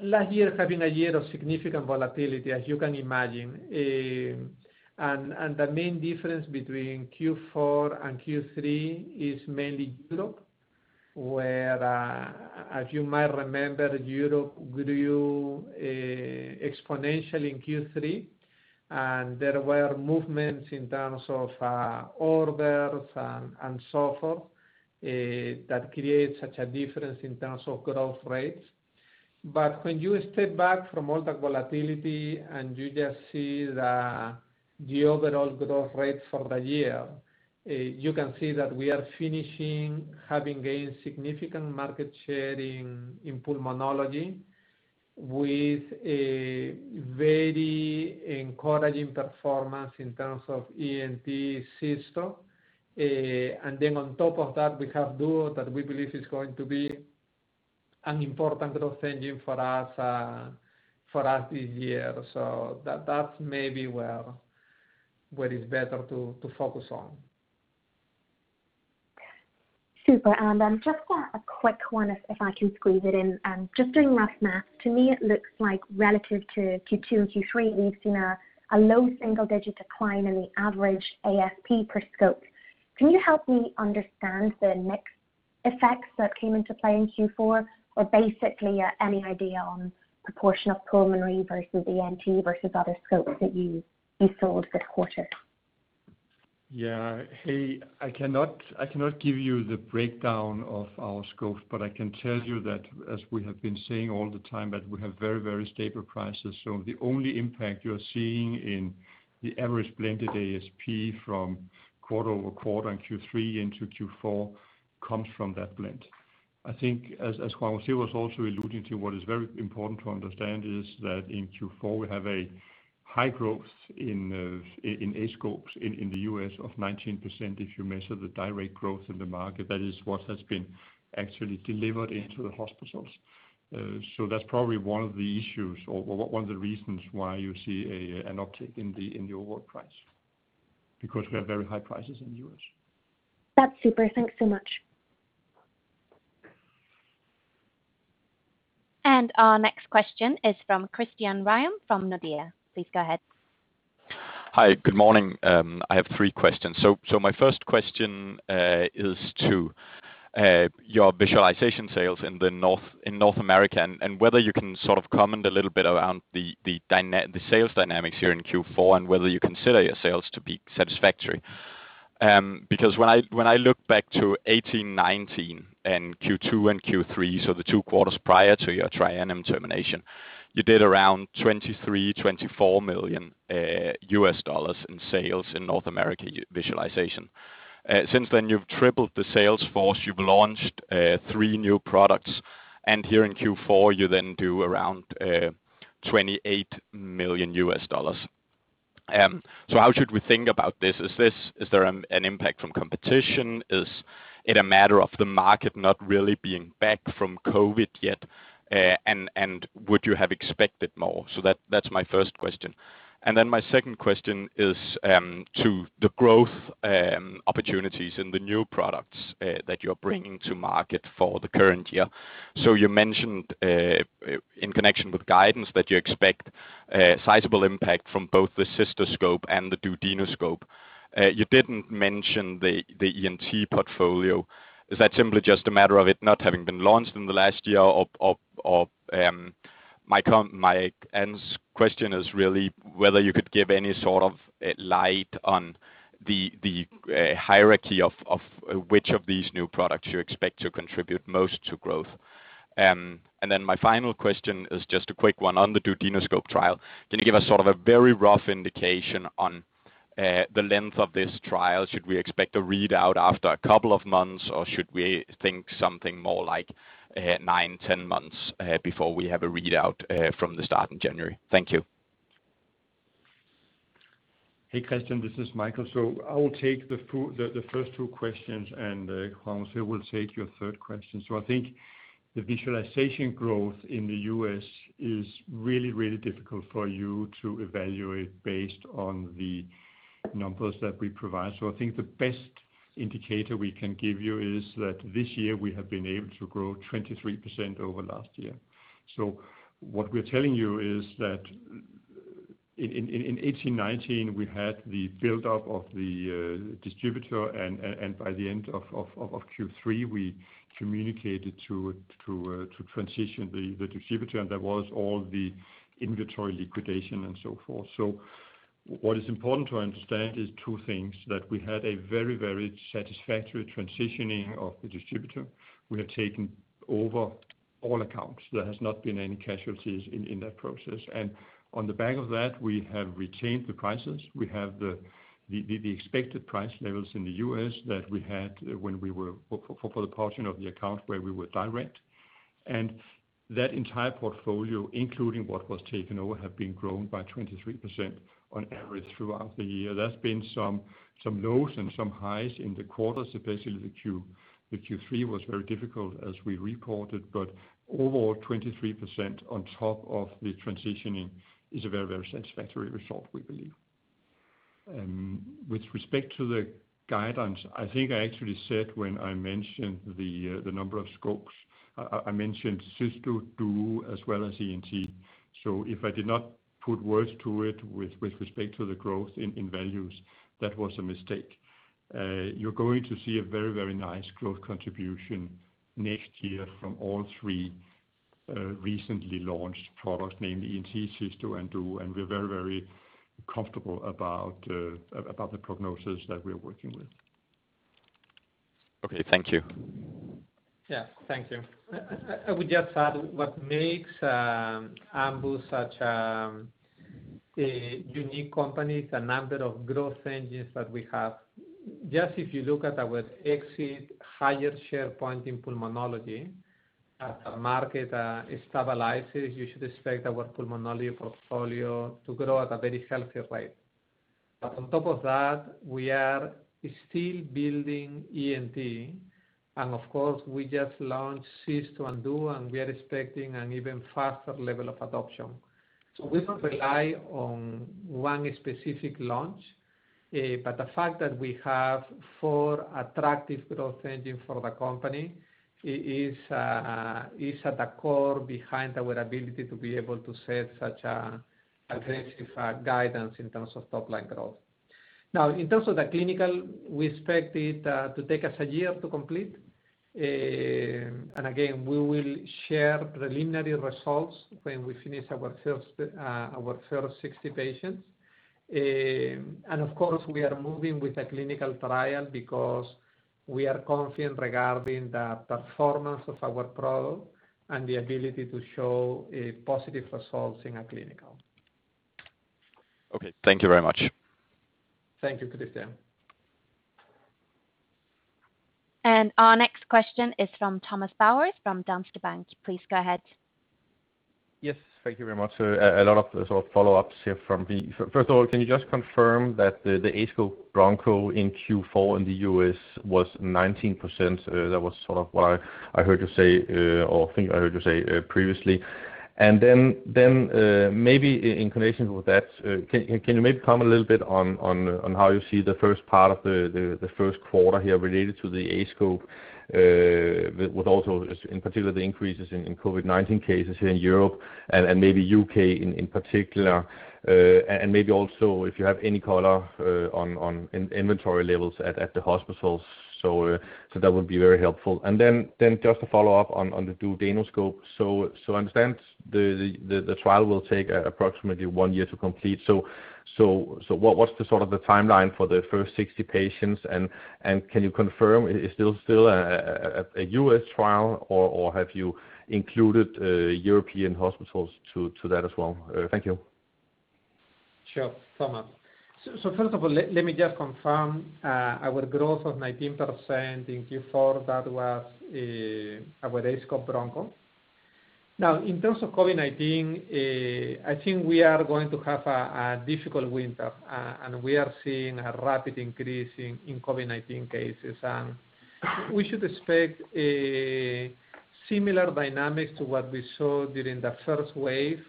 last year having a year of significant volatility as you can imagine. The main difference between Q4 and Q3 is mainly Europe, where, as you might remember, Europe grew exponentially in Q3, and there were movements in terms of orders and so forth, that create such a difference in terms of growth rates. When you step back from all the volatility and you just see the overall growth rate for the year, you can see that we are finishing having gained significant market share in pulmonology with a very encouraging performance in terms of ENT system. Then on top of that, we have Duo that we believe is going to be an important growth engine for us this year. That's maybe where it's better to focus on. Super. Just a quick one if I can squeeze it in. Just doing last math, to me it looks like relative to Q2 and Q3, we've seen a low single-digit decline in the average ASP per scope. Can you help me understand the mix effects that came into play in Q4? Basically, any idea on proportion of pulmonary versus ENT versus other scopes that you sold for the quarter? Yeah. Hey, I cannot give you the breakdown of our aScope, but I can tell you that as we have been saying all the time, that we have very stable prices. The only impact you're seeing in the average blended ASP from QoQ in Q3 into Q4 comes from that blend. I think as Juan Jose was also alluding to, what is very important to understand is that in Q4, we have a high growth in aScopes in the U.S. of 19%, if you measure the direct growth in the market. That is what has been actually delivered into the hospitals. That's probably one of the issues or one of the reasons why you see an uptick in your order price, because we have very high prices in the U.S. That's super. Thanks so much. Our next question is from Christian Ryom from Nordea. Please go ahead. Hi. Good morning. I have three questions. My first question is to your visualization sales in North America, and whether you can sort of comment a little bit around the sales dynamics here in Q4 and whether you consider your sales to be satisfactory. When I look back to 2018/2019 and Q2 and Q3, the two quarters prior to your Tri-anim termination, you did around $23 million-$24 million in sales in North America visualization. Since then, you've tripled the sales force, you've launched three new products, here in Q4, you do around $28 million. How should we think about this? Is there an impact from competition? Is it a matter of the market not really being back from COVID-19 yet? Would you have expected more? That's my first question. My second question is to the growth opportunities in the new products that you're bringing to market for the current year. You mentioned, in connection with guidance, that you expect a sizable impact from both the cystoscope and the duodenoscope. You didn't mention the ENT portfolio. Is that simply just a matter of it not having been launched in the last year? My end question is really whether you could give any sort of light on the hierarchy of which of these new products you expect to contribute most to growth. My final question is just a quick one on the duodenoscope trial. Can you give us sort of a very rough indication on the length of this trial? Should we expect a readout after a couple of months, or should we think something more like nine, 10 months before we have a readout from the start in January? Thank you. Hey, Christian, this is Michael. I will take the first two questions and Juan Jose will take your third question. I think the visualization growth in the U.S. is really difficult for you to evaluate based on the numbers that we provide. I think the best indicator we can give you is that this year we have been able to grow 23% over last year. What we're telling you is that in 2018/2019, we had the buildup of the distributor, and by the end of Q3, we communicated to transition the distributor, and there was all the inventory liquidation and so forth. What is important to understand is two things, that we had a very satisfactory transitioning of the distributor. We have taken over all accounts. There has not been any casualties in that process. On the back of that, we have retained the prices. We have the expected price levels in the U.S. that we had for the portion of the account where we were direct. That entire portfolio, including what was taken over, have been growing by 23% on average throughout the year. There's been some lows and some highs in the quarters, especially the Q3 was very difficult as we reported, but overall, 23% on top of the transitioning is a very satisfactory result, we believe. With respect to the guidance, I think I actually said when I mentioned the number of scopes, I mentioned Cysto, Duo, as well as ENT. If I did not put words to it with respect to the growth in values, that was a mistake. You're going to see a very nice growth contribution next year from all three recently launched product, namely ENT, Cysto, and Duo, and we are very comfortable about the prognosis that we're working with. Okay. Thank you. Yeah. Thank you. I would just add what makes Ambu such a unique company is the number of growth engines that we have. Just if you look at our VivaSight, higher share point in pulmonology. As the market stabilizes, you should expect our pulmonology portfolio to grow at a very healthy rate. On top of that, we are still building ENT, and of course we just launched Cysto and Duo, and we are expecting an even faster level of adoption. We don't rely on one specific launch. The fact that we have four attractive growth engine for the company is at the core behind our ability to be able to set such a aggressive guidance in terms of top-line growth. Now, in terms of the clinical, we expect it to take us a year to complete. Again, we will share preliminary results when we finish our first 60 patients. Of course, we are moving with a clinical trial because we are confident regarding the performance of our product and the ability to show positive results in a clinical. Okay. Thank you very much. Thank you, Christian. Our next question is from Thomas Bowers from Danske Bank. Please go ahead. Yes. Thank you very much, sir. A lot of sort of follow-ups here from me. First of all, can you just confirm that the aScope Broncho in Q4 in the U.S. was 19%? That was sort of what I heard you say, or think I heard you say previously. Maybe in connection with that, can you maybe comment a little bit on how you see the first part of the first quarter here related to the aScope, with also in particular, the increases in COVID-19 cases here in Europe and maybe U.K. in particular. Maybe also if you have any color on inventory levels at the hospitals. That would be very helpful. Just to follow-up on the duodenoscope. I understand the trial will take approximately one year to complete. What's the sort of the timeline for the first 60 patients and can you confirm, is this still a U.S. trial or have you included European hospitals to that as well? Thank you. Sure, Thomas. First of all, let me just confirm, our growth of 19% in Q4, that was our aScope Broncho. In terms of COVID-19, I think we are going to have a difficult winter. We are seeing a rapid increase in COVID-19 cases. We should expect a similar dynamic to what we saw during the first wave,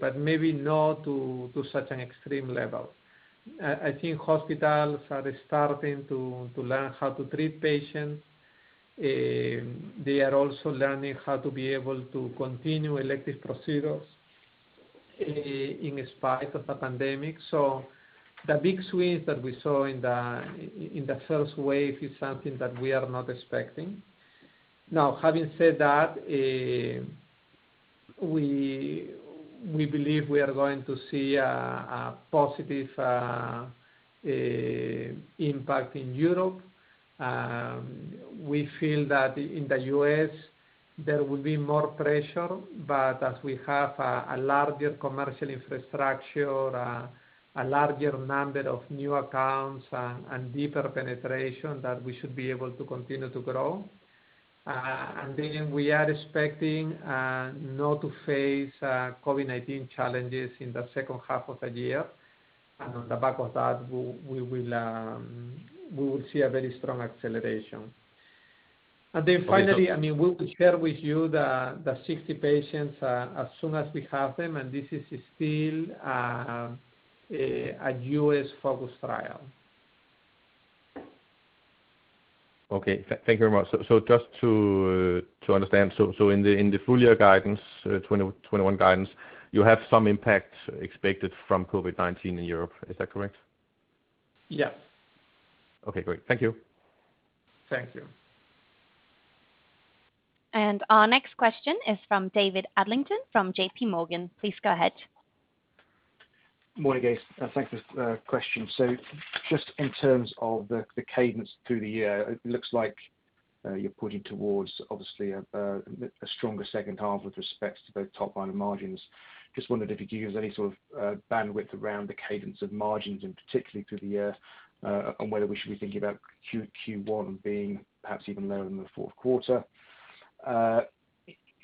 but maybe not to such an extreme level. I think hospitals are starting to learn how to treat patients. They are also learning how to be able to continue elective procedures in spite of the pandemic. The big swings that we saw in the first wave is something that we are not expecting. Having said that, we believe we are going to see a positive impact in Europe. We feel that in the U.S. there will be more pressure, but as we have a larger commercial infrastructure, a larger number of new accounts and deeper penetration, that we should be able to continue to grow. We are expecting, not to face COVID-19 challenges in the second half of the year. On the back of that, we will see a very strong acceleration. Finally, we will share with you the 60 patients as soon as we have them, and this is still a U.S.-focused trial. Okay. Thank you very much. Just to understand, so in the full year guidance, 2021 guidance, you have some impact expected from COVID-19 in Europe, is that correct? Yeah. Okay, great. Thank you. Thank you. Our next question is from David Adlington from J.P. Morgan. Please go ahead. Morning, guys. Thanks for the question. Just in terms of the cadence through the year, it looks like you're pointing towards obviously a stronger second half with respect to both top line and margins. Just wondered if you could give us any sort of bandwidth around the cadence of margins, and particularly through the year, on whether we should be thinking about Q1 being perhaps even lower than the fourth quarter. In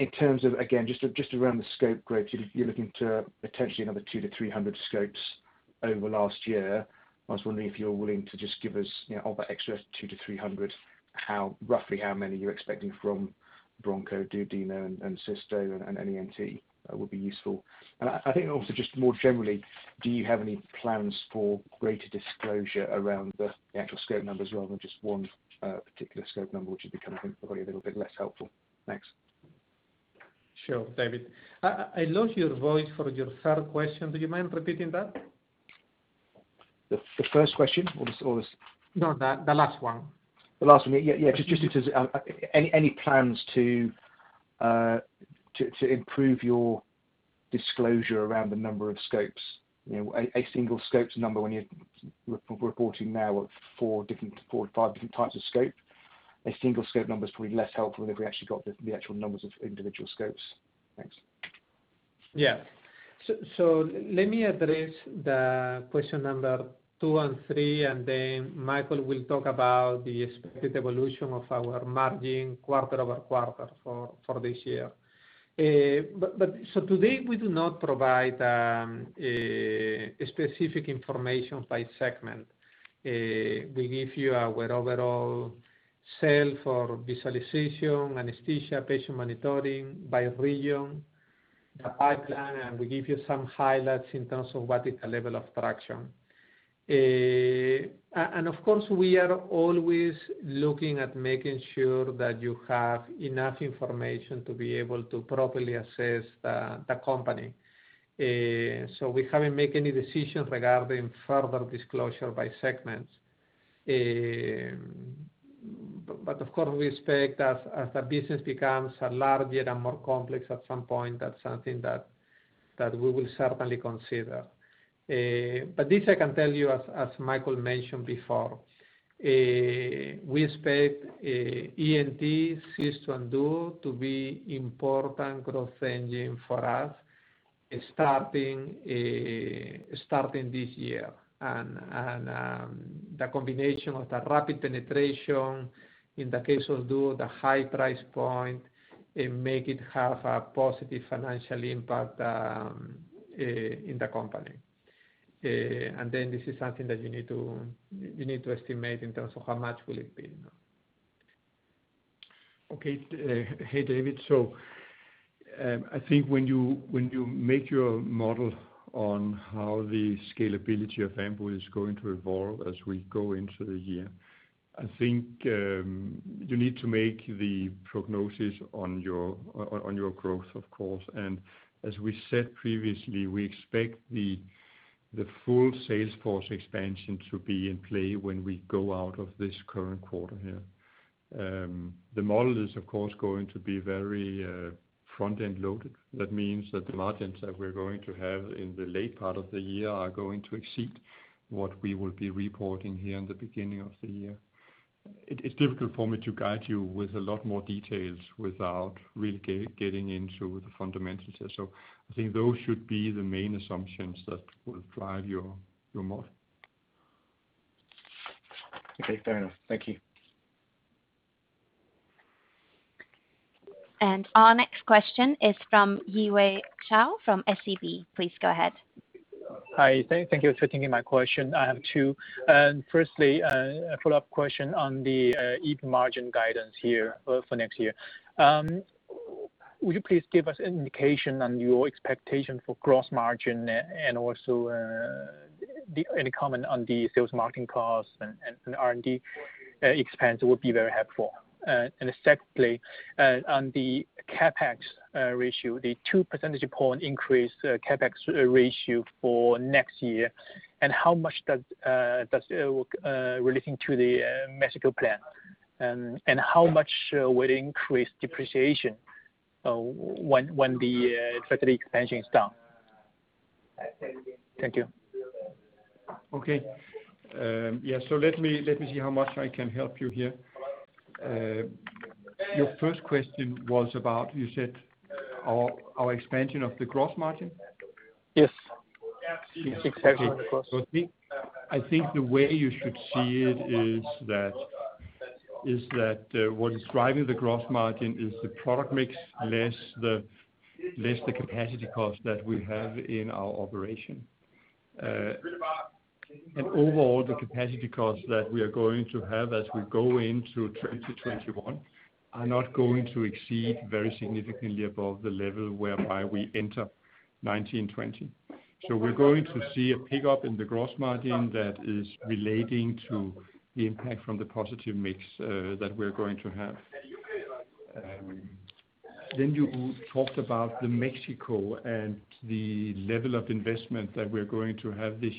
terms of, again, just around the scope growth, you are looking to potentially another 2-300 scopes over last year. I was wondering if you are willing to just give us of that extra 2-300, roughly how many you are expecting from Broncho, Duodeno, and Cysto, and any ENT. That would be useful. I think also just more generally, do you have any plans for greater disclosure around the actual scope numbers rather than just one particular scope number, which is becoming probably a little bit less helpful? Thanks. Sure, David. I lost your voice for your third question. Do you mind repeating that? The first question? No, the last one. The last one. Yeah. Just any plans to improve your disclosure around the number of scopes. A single scopes number when you're reporting now of four to five different types of scope. A single scope number is probably less helpful than if we actually got the actual numbers of individual scopes. Thanks. Yeah. Let me address the question number two and three, and then Michael will talk about the expected evolution of our margin QoQ for this year. Today, we do not provide specific information by segment. We give you our overall sale for visualization, anesthesia, patient monitoring by region, the pipeline, and we give you some highlights in terms of what is the level of traction. Of course, we are always looking at making sure that you have enough information to be able to properly assess the company. We haven't made any decisions regarding further disclosure by segments. Of course, we expect as the business becomes larger and more complex, at some point, that's something that we will certainly consider. This I can tell you, as Michael mentioned before, we expect ENT, Cysto and Duo, to be important growth engine for us starting this year. The combination of the rapid penetration in the case of Duo, the high price point, make it have a positive financial impact in the company. This is something that you need to estimate in terms of how much will it be. Okay. Hey, David. I think when you make your model on how the scalability of Ambu is going to evolve as we go into the year, I think you need to make the prognosis on your growth, of course. As we said previously, we expect the full sales force expansion to be in play when we go out of this current quarter here. The model is, of course, going to be very front-end loaded. That means that the margins that we're going to have in the late part of the year are going to exceed what we will be reporting here in the beginning of the year. It's difficult for me to guide you with a lot more details without really getting into the fundamentals here. I think those should be the main assumptions that will drive your model. Okay. Fair enough. Thank you. Our next question is from Yiwei Zhou from SEB. Please go ahead. Hi. Thank you for taking my question. I have two. Firstly, a follow-up question on the EBIT margin guidance here for next year. Would you please give us an indication on your expectation for gross margin and also any comment on the sales marketing costs and R&D expense would be very helpful. Secondly, on the CapEx ratio, the 2 percentage point increase CapEx ratio for next year, and how much does relating to the Mexico plant, and how much will it increase depreciation, when the factory expansion is done? Thank you. Okay. Yeah. Let me see how much I can help you here. Your first question was about, you said our expansion of the gross margin? Yes. Expansion of the gross. I think the way you should see it is that what is driving the gross margin is the product mix, less the capacity cost that we have in our operation. Overall, the capacity cost that we are going to have as we go into 2021 are not going to exceed very significantly above the level whereby we enter 2019/2020. We're going to see a pickup in the gross margin that is relating to the impact from the positive mix that we're going to have. You talked about the Mexico and the level of investment that we're going to have this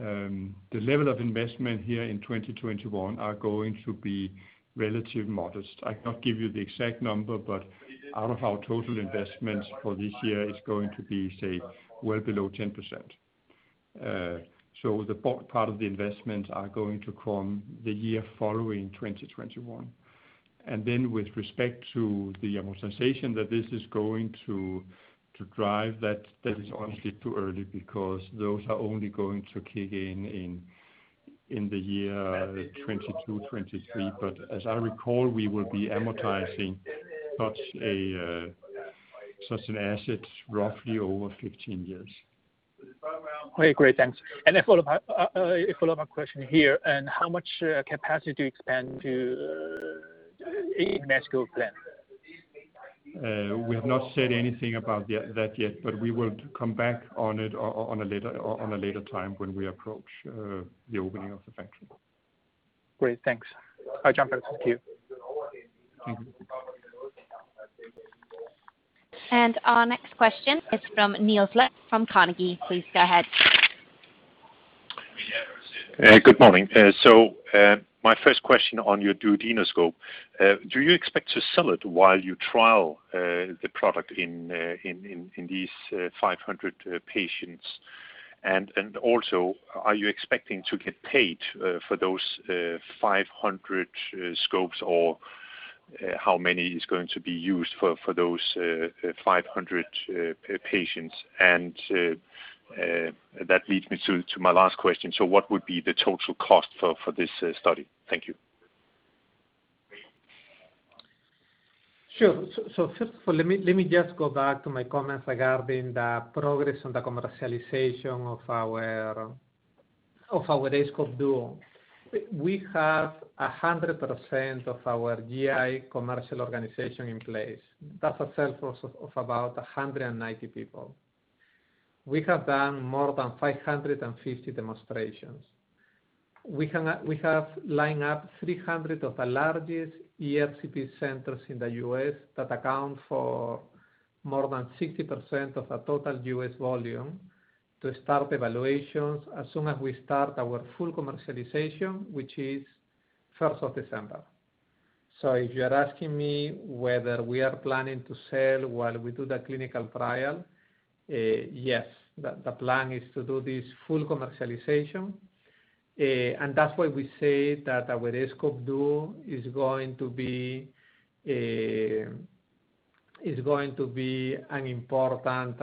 year. The level of investment here in 2021 are going to be relatively modest. I cannot give you the exact number, but out of our total investments for this year, it's going to be, say, well below 10%. The bulk part of the investment are going to come the year following 2021. With respect to the amortization that this is going to drive, that is honestly too early because those are only going to kick in in the year 2022, 2023. As I recall, we will be amortizing such an asset roughly over 15 years. Okay, great. Thanks. A follow-up question here. How much capacity do you expand to in Mexico plant? We have not said anything about that yet, but we will come back on it on a later time when we approach the opening of the factory. Great, thanks. I jump back to queue. Our next question is from Niels Granholm-Leth from Carnegie. Please go ahead. Good morning. My first question on your duodenoscope. Do you expect to sell it while you trial the product in these 500 patients? Also, are you expecting to get paid for those 500 scopes, or how many is going to be used for those 500 patients? That leads me to my last question. What would be the total cost for this study? Thank you. First of all, let me just go back to my comments regarding the progress on the commercialization of our aScope Duo. We have 100% of our GI commercial organization in place. That's a sales force of about 190 people. We have done more than 550 demonstrations. We have lined up 300 of the largest ERCP centers in the U.S. that account for more than 60% of the total U.S. volume to start evaluations as soon as we start our full commercialization, which is 1st of December. If you are asking me whether we are planning to sell while we do the clinical trial, yes. The plan is to do this full commercialization. That's why we say that our aScope Duo is going to be an important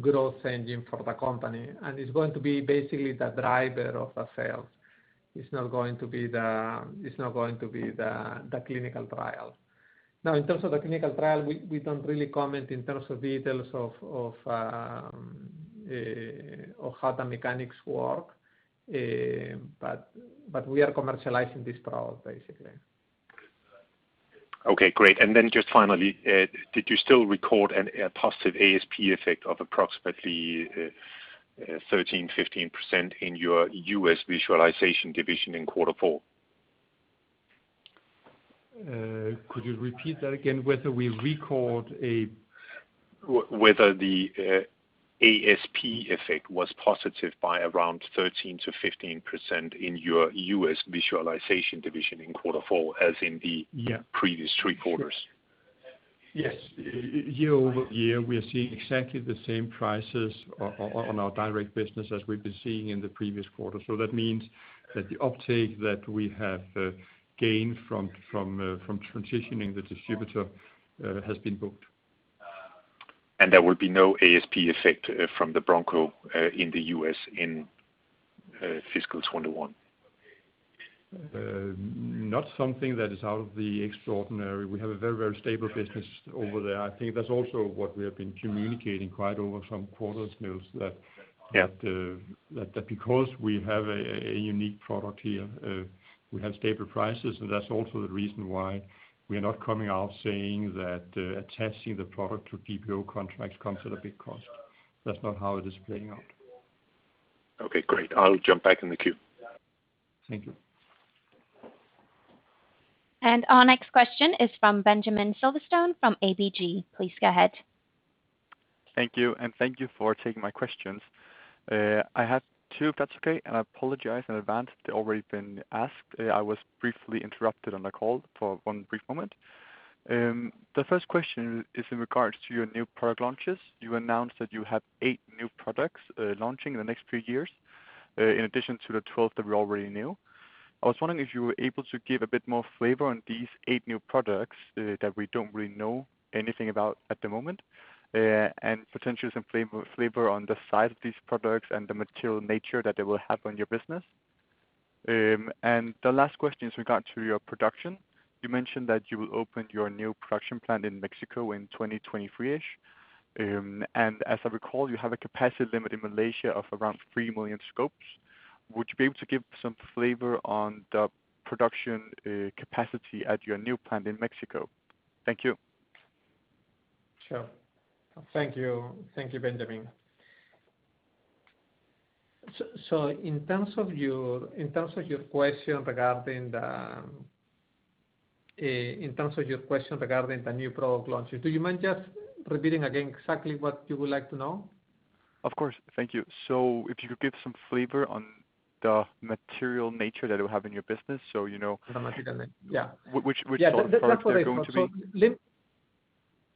growth engine for the company, and it's going to be basically the driver of the sales. It's not going to be the clinical trial. In terms of the clinical trial, we don't really comment in terms of details of how the mechanics work, but we are commercializing this trial basically. Okay, great. Just finally, did you still record a positive ASP effect of approximately 13%-15% in your U.S. visualization division in quarter four? Could you repeat that again? Whether the ASP effect was positive by around 13%-15% in your U.S. visualization division in quarter four. Yeah. Previous three quarters. Yes. YoY, we are seeing exactly the same prices on our direct business as we've been seeing in the previous quarter. That means that the uptake that we have gained from transitioning the distributor has been booked. There will be no ASP effect from the Broncho in the U.S. in fiscal 2021. Not something that is out of the extraordinary. We have a very, very stable business over there. I think that's also what we have been communicating quite over some quarters, Niels. Yeah. That because we have a unique product here, we have stable prices, and that's also the reason why we are not coming out saying that attaching the product to GPO contracts comes at a big cost. That's not how it is playing out. Okay, great. I'll jump back in the queue. Thank you. Our next question is from Benjamin Silverstone from ABG. Please go ahead. Thank you, and thank you for taking my questions. I have two, if that's okay, and I apologize in advance if they've already been asked. I was briefly interrupted on the call for one brief moment. The first question is in regards to your new product launches. You announced that you have eight new products launching in the next few years, in addition to the 12 that we already knew. I was wondering if you were able to give a bit more flavor on these eight new products that we don't really know anything about at the moment, and potentially some flavor on the size of these products and the material nature that they will have on your business. The last question is regard to your production. You mentioned that you will open your new production plant in Mexico in 2023-ish. As I recall, you have a capacity limit in Malaysia of around 3 million scopes. Would you be able to give some flavor on the production capacity at your new plant in Mexico? Thank you. Sure. Thank you, Benjamin. In terms of your question regarding the new product launches, do you mind just repeating again exactly what you would like to know? Of course. Thank you. If you could give some flavor on the material nature that it will have in your business, you know. The material nature. Yeah. Which sort are they going to be?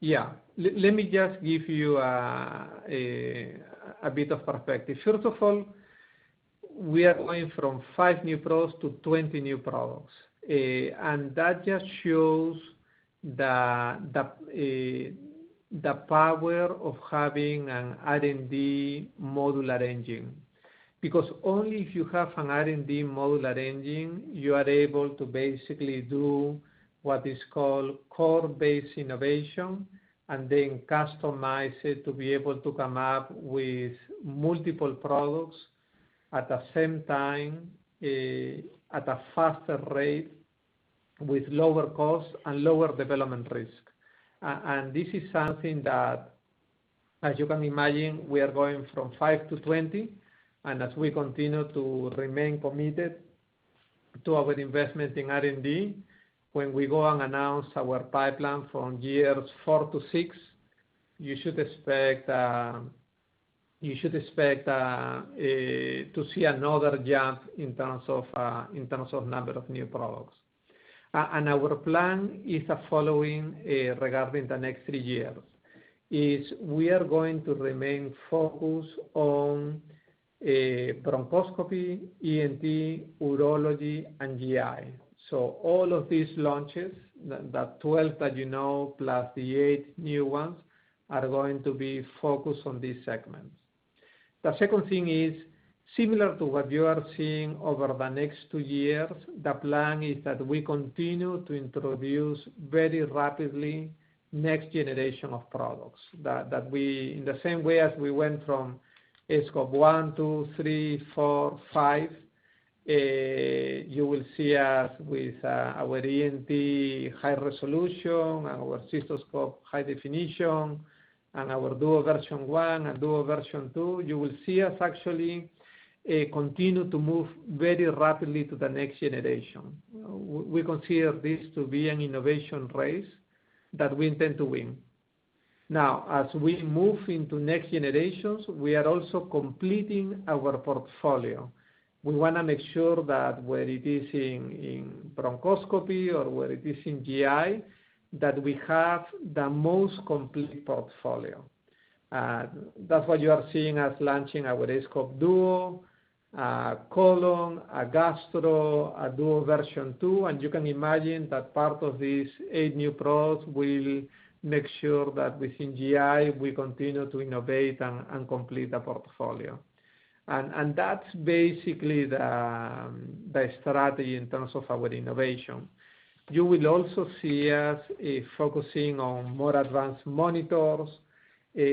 Yeah. That's what I thought. Let me just give you a bit of perspective. First of all, we are going from five new products to 20 new products. That just shows the power of having an R&D modular engine. Because only if you have an R&D modular engine, you are able to basically do what is called core-based innovation and then customize it to be able to come up with multiple products at the same time, at a faster rate, with lower cost and lower development risk. This is something that, as you can imagine, we are going from 5-20, and as we continue to remain committed to our investment in R&D, when we go and announce our pipeline from years four to six, you should expect to see another jump in terms of number of new products. Our plan is the following regarding the next three years, is we are going to remain focused on bronchoscopy, ENT, urology, and GI. All of these launches, the 12 that you know, plus the eight new ones, are going to be focused on these segments. The second thing is, similar to what you are seeing over the next two years, the plan is that we continue to introduce very rapidly next generation of products. We, in the same way as we went from aScope 1, 2, 3, 4, 5, you will see us with our ENT high resolution and our cystoscope high definition and our Duo version one and Duo version two. You will see us actually continue to move very rapidly to the next generation. We consider this to be an innovation race that we intend to win. Now, as we move into next generations, we are also completing our portfolio. We want to make sure that whether it is in bronchoscopy or whether it is in GI, that we have the most complete portfolio. That's why you are seeing us launching our aScope Duo, colon, gastro, Duo version two. You can imagine that part of these eight new products will make sure that within GI, we continue to innovate and complete the portfolio. That's basically the strategy in terms of our innovation. You will also see us focusing on more advanced monitors,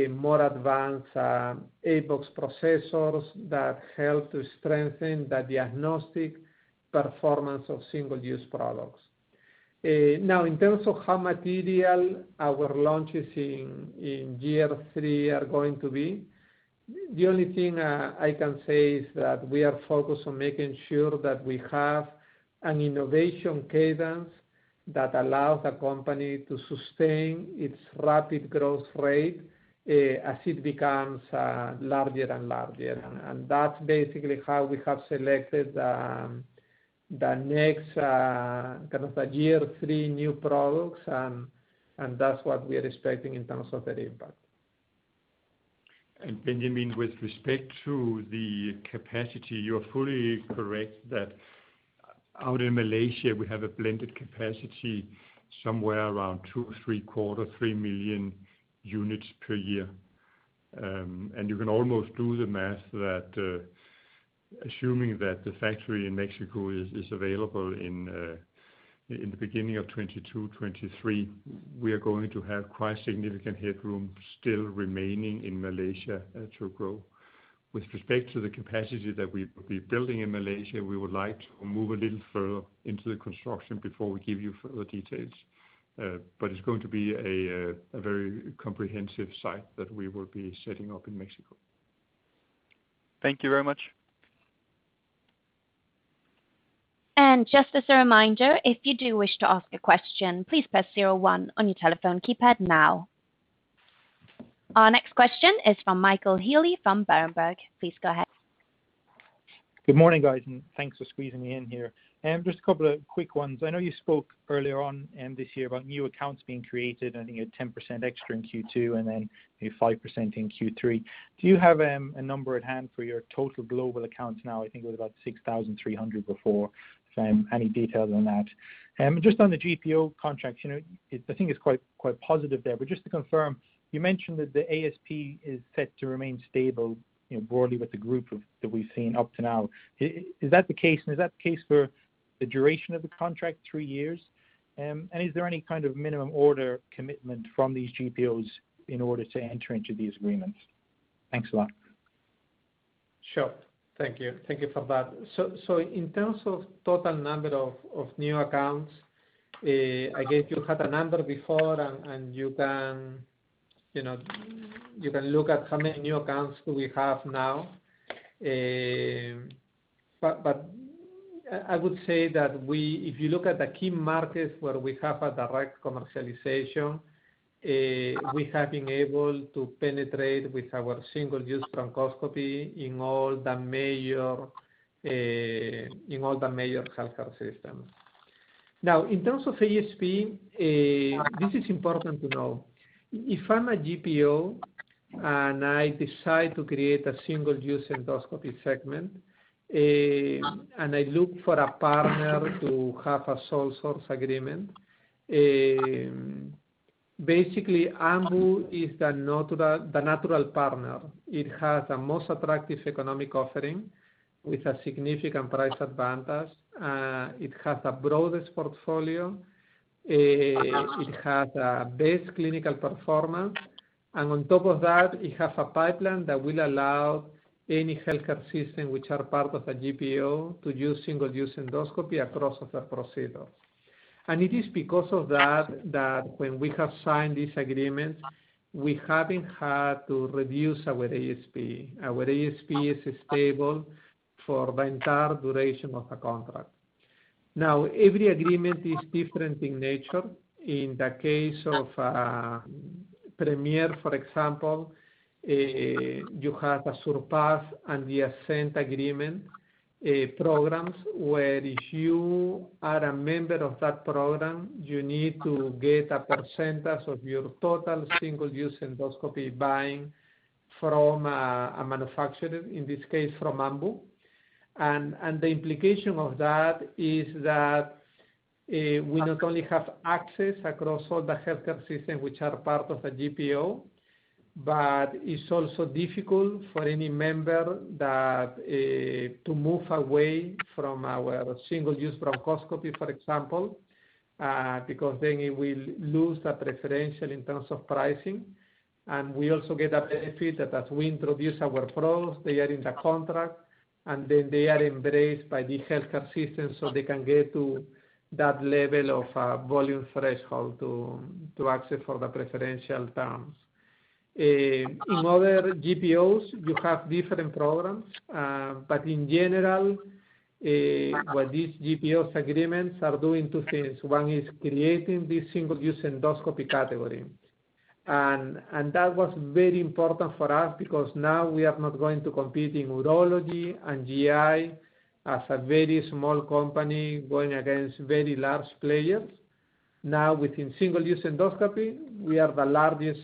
more advanced aBox processors that help to strengthen the diagnostic performance of single-use products. In terms of how material our launches in year three are going to be, the only thing I can say is that we are focused on making sure that we have an innovation cadence that allows the company to sustain its rapid growth rate as it becomes larger and larger. That's basically how we have selected the next year three new products, and that's what we are expecting in terms of the impact. Benjamin, with respect to the capacity, you are fully correct that out in Malaysia, we have a blended capacity somewhere around two, three quarter, 3 million units per year. You can almost do the math that assuming that the factory in Mexico is available in the beginning of 2022, 2023, we are going to have quite significant headroom still remaining in Malaysia to grow. With respect to the capacity that we will be building in Malaysia, we would like to move a little further into the construction before we give you further details. It's going to be a very comprehensive site that we will be setting up in Mexico. Thank you very much. Just as a reminder, if you do wish to ask a question, please press zero one on your telephone keypad now. Our next question is from Michael Healy from Berenberg. Please go ahead. Good morning, guys. Thanks for squeezing me in here. Just a couple of quick ones. I know you spoke earlier on in this year about new accounts being created, I think you had 10% extra in Q2, then 5% in Q3. Do you have a number at hand for your total global accounts now? I think it was about 6,300 before. Any details on that? Just on the GPO contracts, I think it's quite positive there, just to confirm, you mentioned that the ASP is set to remain stable broadly with the group that we've seen up to now. Is that the case? Is that the case for the duration of the contract, three years? Is there any kind of minimum order commitment from these GPOs in order to enter into these agreements? Thanks a lot. Sure. Thank you. Thank you for that. In terms of total number of new accounts, I gave you half a number before, and you can look at how many new accounts we have now. I would say that if you look at the key markets where we have a direct commercialization, we have been able to penetrate with our single-use bronchoscopy in all the major healthcare systems. In terms of ASP, this is important to know. If I'm a GPO and I decide to create a single-use endoscopy segment, and I look for a partner to have a sole source agreement. Basically, Ambu is the natural partner. It has the most attractive economic offering with a significant price advantage. It has the broadest portfolio. It has the best clinical performance. On top of that, it has a pipeline that will allow any healthcare system which are part of a GPO to use single-use endoscopy across the procedures. It is because of that when we have signed this agreement, we haven't had to reduce our ASP. Our ASP is stable for the entire duration of the contract. Now, every agreement is different in nature. In the case of Premier, for example, you have a Surpass and the Ascend agreement programs, where if you are a member of that program, you need to get a percentage of your total single-use endoscopy buying from a manufacturer, in this case, from Ambu. The implication of that is that we not only have access across all the healthcare systems which are part of the GPO, but it is also difficult for any member to move away from our single-use bronchoscopy, for example, because then it will lose that preferential in terms of pricing. We also get a benefit that as we introduce our products, they are in the contract, and then they are embraced by the healthcare system, so they can get to that level of volume threshold to access for the preferential terms. In other GPOs, you have different programs. In general, what these GPO agreements are doing two things. One is creating this single-use endoscopy category. That was very important for us because now we are not going to compete in urology and GI as a very small company going against very large players. Within single-use endoscopy, we are the largest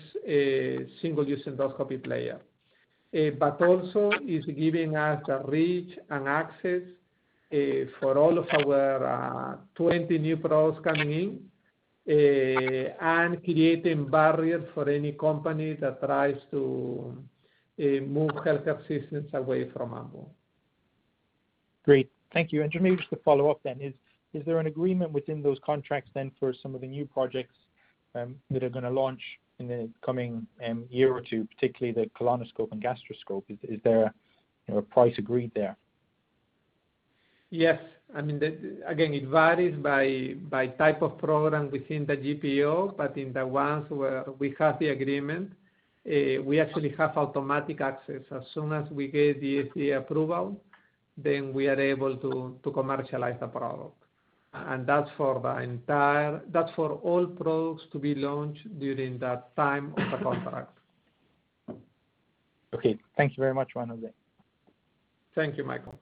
single-use endoscopy player. Also, it's giving us a reach and access for all of our 20 new products coming in and creating barriers for any company that tries to move healthcare systems away from Ambu. Great. Thank you. Just to follow-up then, is there an agreement within those contracts then for some of the new projects that are going to launch in the coming year or two, particularly the colonoscope and gastroscope? Is there a price agreed there? Yes. It varies by type of program within the GPO, but in the ones where we have the agreement, we actually have automatic access. As soon as we get the FDA approval, we are able to commercialize the product. That's for all products to be launched during that time of the contract. Okay. Thank you very much, Juan Jose. Thank you, Michael.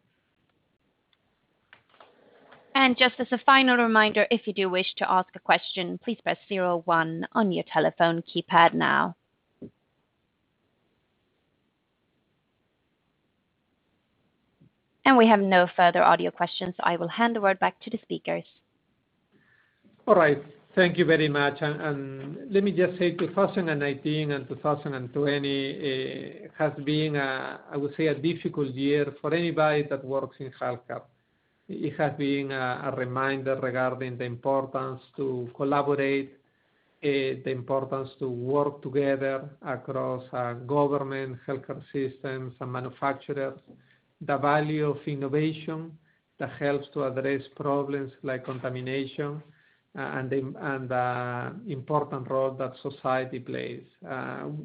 Just as a final reminder, if you do wish to ask a question, please press zero one on your telephone keypad now. We have no further audio questions. I will hand the word back to the speakers. All right. Thank you very much. Let me just say, 2019 and 2020 has been, I would say, a difficult year for anybody that works in healthcare. It has been a reminder regarding the importance to collaborate, the importance to work together across government, healthcare systems, and manufacturers. The value of innovation that helps to address problems like contamination and the important role that society plays.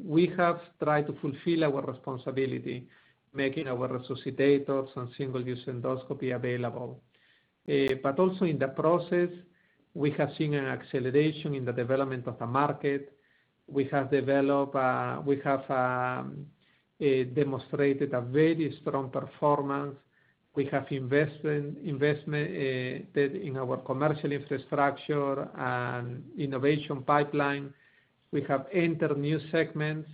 We have tried to fulfill our responsibility, making our resuscitators and single-use endoscopy available. Also in the process, we have seen an acceleration in the development of the market. We have demonstrated a very strong performance. We have invested in our commercial infrastructure and innovation pipeline. We have entered new segments,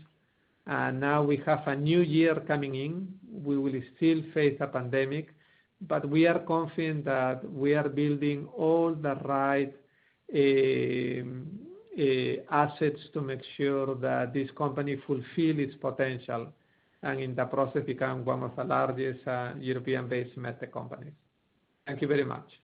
and now we have a new year coming in. We will still face the pandemic, but we are confident that we are building all the right assets to make sure that this company fulfill its potential, and in the process, become one of the largest European-based med tech companies. Thank you very much.